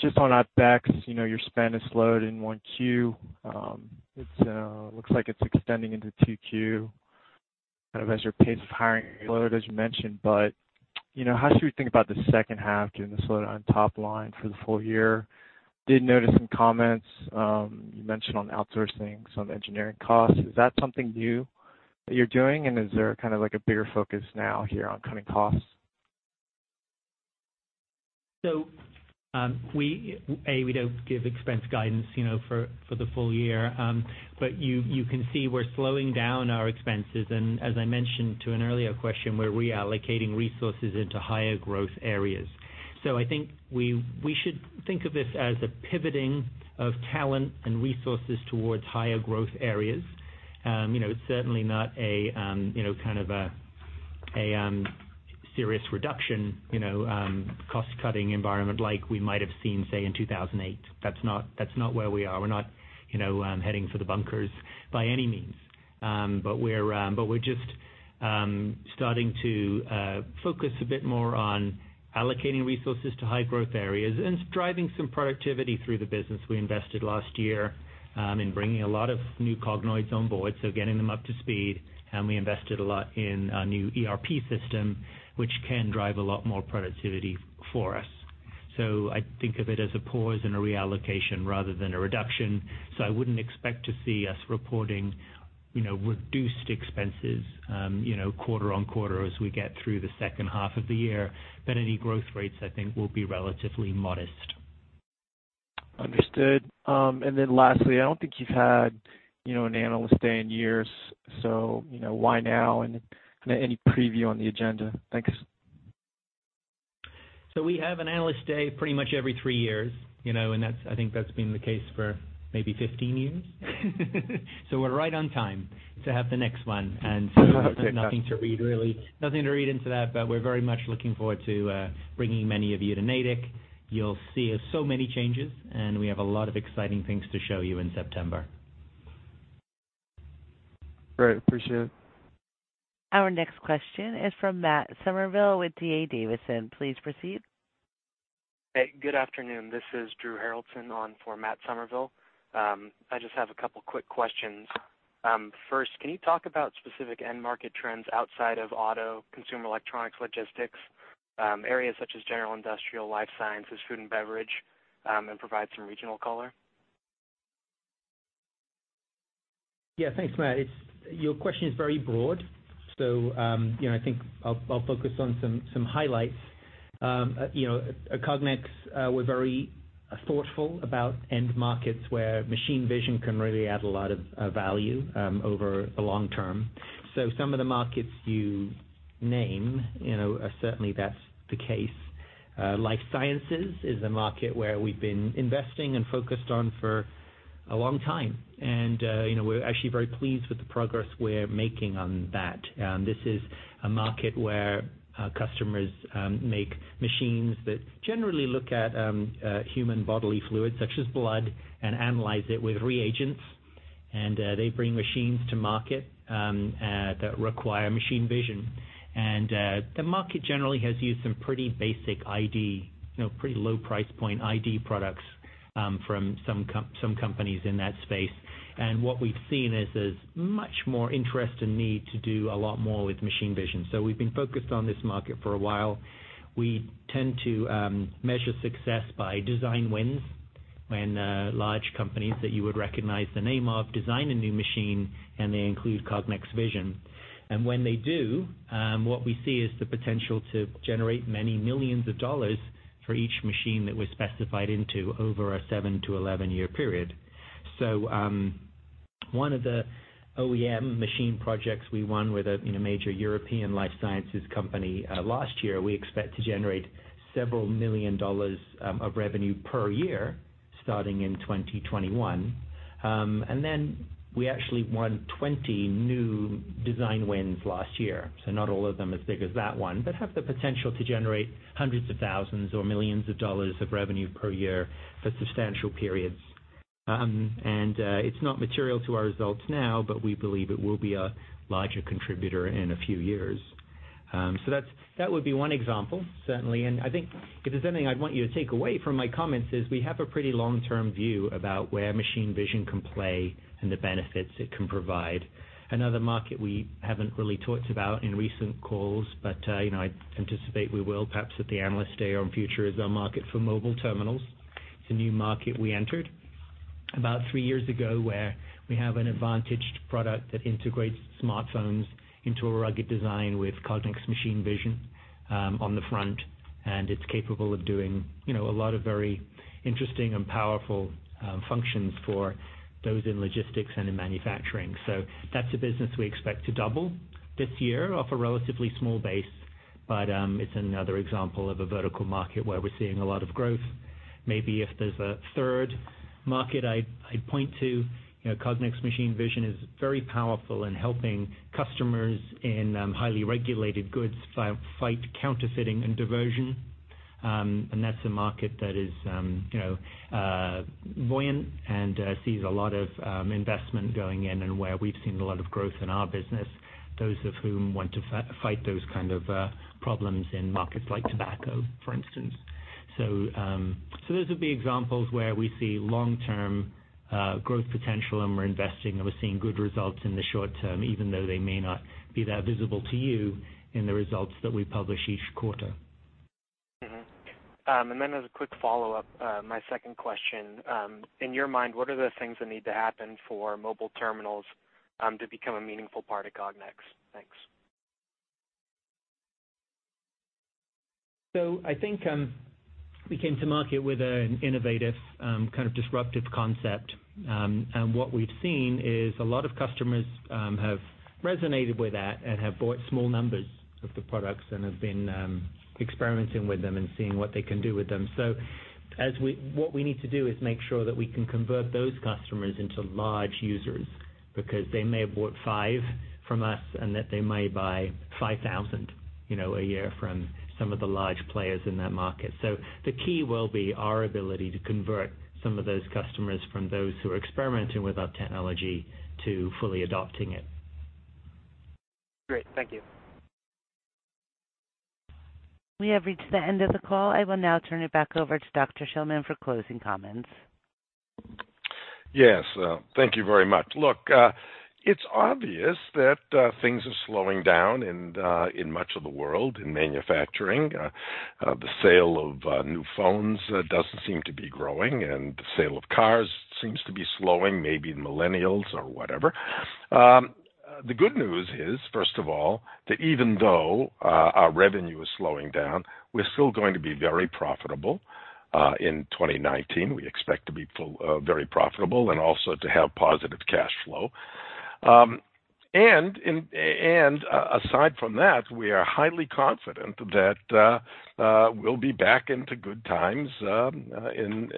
Just on OpEx, your spend is slowed in 1Q. It looks like it's extending into 2Q, kind of as your pace of hiring lowered, as you mentioned. How should we think about the second half given the slowdown on top line for the full year? Did notice some comments, you mentioned on outsourcing some engineering costs. Is that something new that you're doing, and is there kind of like a bigger focus now here on cutting costs?
A, we don't give expense guidance for the full year. You can see we're slowing down our expenses. As I mentioned to an earlier question, we're reallocating resources into higher growth areas. I think we should think of this as a pivoting of talent and resources towards higher growth areas. It's certainly not a kind of a serious reduction, cost-cutting environment like we might have seen, say, in 2008. That's not where we are. We're not heading for the bunkers by any means. We're just starting to focus a bit more on allocating resources to high growth areas and driving some productivity through the business. We invested last year in bringing a lot of new Cognoids on board, so getting them up to speed. We invested a lot in a new ERP system, which can drive a lot more productivity for us. I think of it as a pause and a reallocation rather than a reduction. I wouldn't expect to see us reporting reduced expenses quarter-over-quarter as we get through the second half of the year than any growth rates, I think will be relatively modest.
Understood. Lastly, I don't think you've had an Analyst Day in years, why now? Any preview on the agenda? Thanks.
We have an Analyst Day pretty much every three years, and I think that's been the case for maybe 15 years. We're right on time to have the next one. Nothing to read into that, but we're very much looking forward to bringing many of you to Natick. You'll see so many changes, and we have a lot of exciting things to show you in September.
Great. Appreciate it.
Our next question is from Matt Summerville with D.A. Davidson. Please proceed.
Hey, good afternoon. This is Drew Haroldson on for Matt Summerville. I just have a couple quick questions. First, can you talk about specific end market trends outside of auto, consumer electronics, logistics, areas such as general industrial, life sciences, food and beverage, and provide some regional color?
Yeah, thanks, Matt. Your question is very broad. I think I'll focus on some highlights. At Cognex, we're very thoughtful about end markets where machine vision can really add a lot of value over the long term. Some of the markets you name, certainly that's the case. Life sciences is a market where we've been investing and focused on for a long time. We're actually very pleased with the progress we're making on that. This is a market where our customers make machines that generally look at human bodily fluids, such as blood, and analyze it with reagents, and they bring machines to market that require machine vision. The market generally has used some pretty basic ID, pretty low price point ID products from some companies in that space. What we've seen is this much more interest and need to do a lot more with machine vision. We've been focused on this market for a while. We tend to measure success by design wins, when large companies that you would recognize the name of design a new machine, and they include Cognex Vision. When they do, what we see is the potential to generate many millions of dollars for each machine that we're specified into over a 7 to 11-year period. One of the OEM machine projects we won with a major European life sciences company last year, we expect to generate several million dollars of revenue per year starting in 2021. We actually won 20 new design wins last year. Not all of them as big as that one, but have the potential to generate hundreds of thousands or millions of dollars of revenue per year for substantial periods. It's not material to our results now, but we believe it will be a larger contributor in a few years. That would be one example, certainly. I think if there's anything I'd want you to take away from my comments is we have a pretty long-term view about where machine vision can play and the benefits it can provide. Another market we haven't really talked about in recent calls, but I anticipate we will perhaps at the Analyst Day or in future, is our market for mobile terminals. It's a new market we entered about three years ago, where we have an advantaged product that integrates smartphones into a rugged design with Cognex machine vision on the front, and it's capable of doing a lot of very interesting and powerful functions for those in logistics and in manufacturing. That's a business we expect to double this year off a relatively small base, but it's another example of a vertical market where we're seeing a lot of growth. Maybe if there's a third market I'd point to, Cognex machine vision is very powerful in helping customers in highly regulated goods fight counterfeiting and diversion. That's a market that is buoyant and sees a lot of investment going in, and where we've seen a lot of growth in our business, those of whom want to fight those kind of problems in markets like tobacco, for instance. Those would be examples where we see long-term growth potential, and we're investing, and we're seeing good results in the short term, even though they may not be that visible to you in the results that we publish each quarter.
As a quick follow-up, my second question, in your mind, what are the things that need to happen for mobile terminals to become a meaningful part of Cognex? Thanks.
I think we came to market with an innovative, kind of disruptive concept. What we've seen is a lot of customers have resonated with that and have bought small numbers of the products and have been experimenting with them and seeing what they can do with them. What we need to do is make sure that we can convert those customers into large users, because they may have bought five from us and that they may buy 5,000 a year from some of the large players in that market. The key will be our ability to convert some of those customers from those who are experimenting with our technology to fully adopting it.
Great. Thank you.
We have reached the end of the call. I will now turn it back over to Dr. Shillman for closing comments.
Yes. Thank you very much. Look, it's obvious that things are slowing down in much of the world in manufacturing. The sale of new phones doesn't seem to be growing, and the sale of cars seems to be slowing, maybe millennials or whatever. The good news is, first of all, that even though our revenue is slowing down, we're still going to be very profitable in 2019. We expect to be very profitable and also to have positive cash flow. Aside from that, we are highly confident that we'll be back into good times in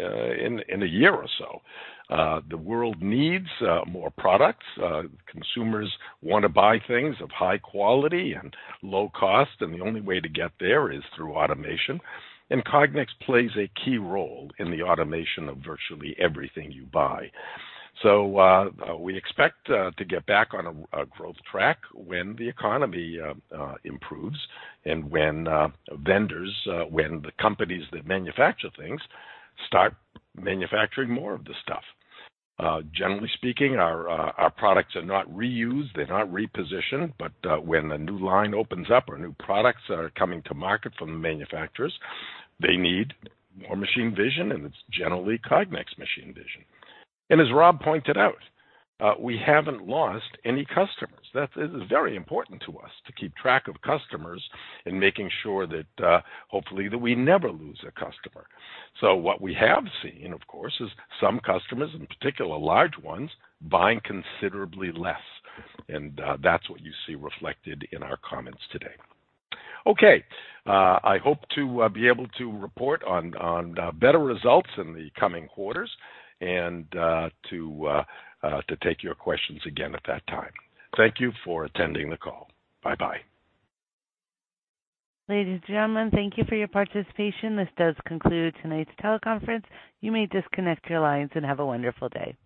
a year or so. The world needs more products. Consumers want to buy things of high quality and low cost, and the only way to get there is through automation. Cognex plays a key role in the automation of virtually everything you buy. We expect to get back on a growth track when the economy improves and when vendors, when the companies that manufacture things, start manufacturing more of the stuff. Generally speaking, our products are not reused, they're not repositioned, but when a new line opens up or new products are coming to market from the manufacturers, they need more machine vision, and it's generally Cognex machine vision. As Rob pointed out, we haven't lost any customers. That is very important to us, to keep track of customers and making sure that, hopefully, that we never lose a customer. What we have seen, of course, is some customers, in particular large ones, buying considerably less. That's what you see reflected in our comments today. Okay. I hope to be able to report on better results in the coming quarters and to take your questions again at that time. Thank you for attending the call. Bye-bye.
Ladies and gentlemen, thank you for your participation. This does conclude tonight's teleconference. You may disconnect your lines and have a wonderful day.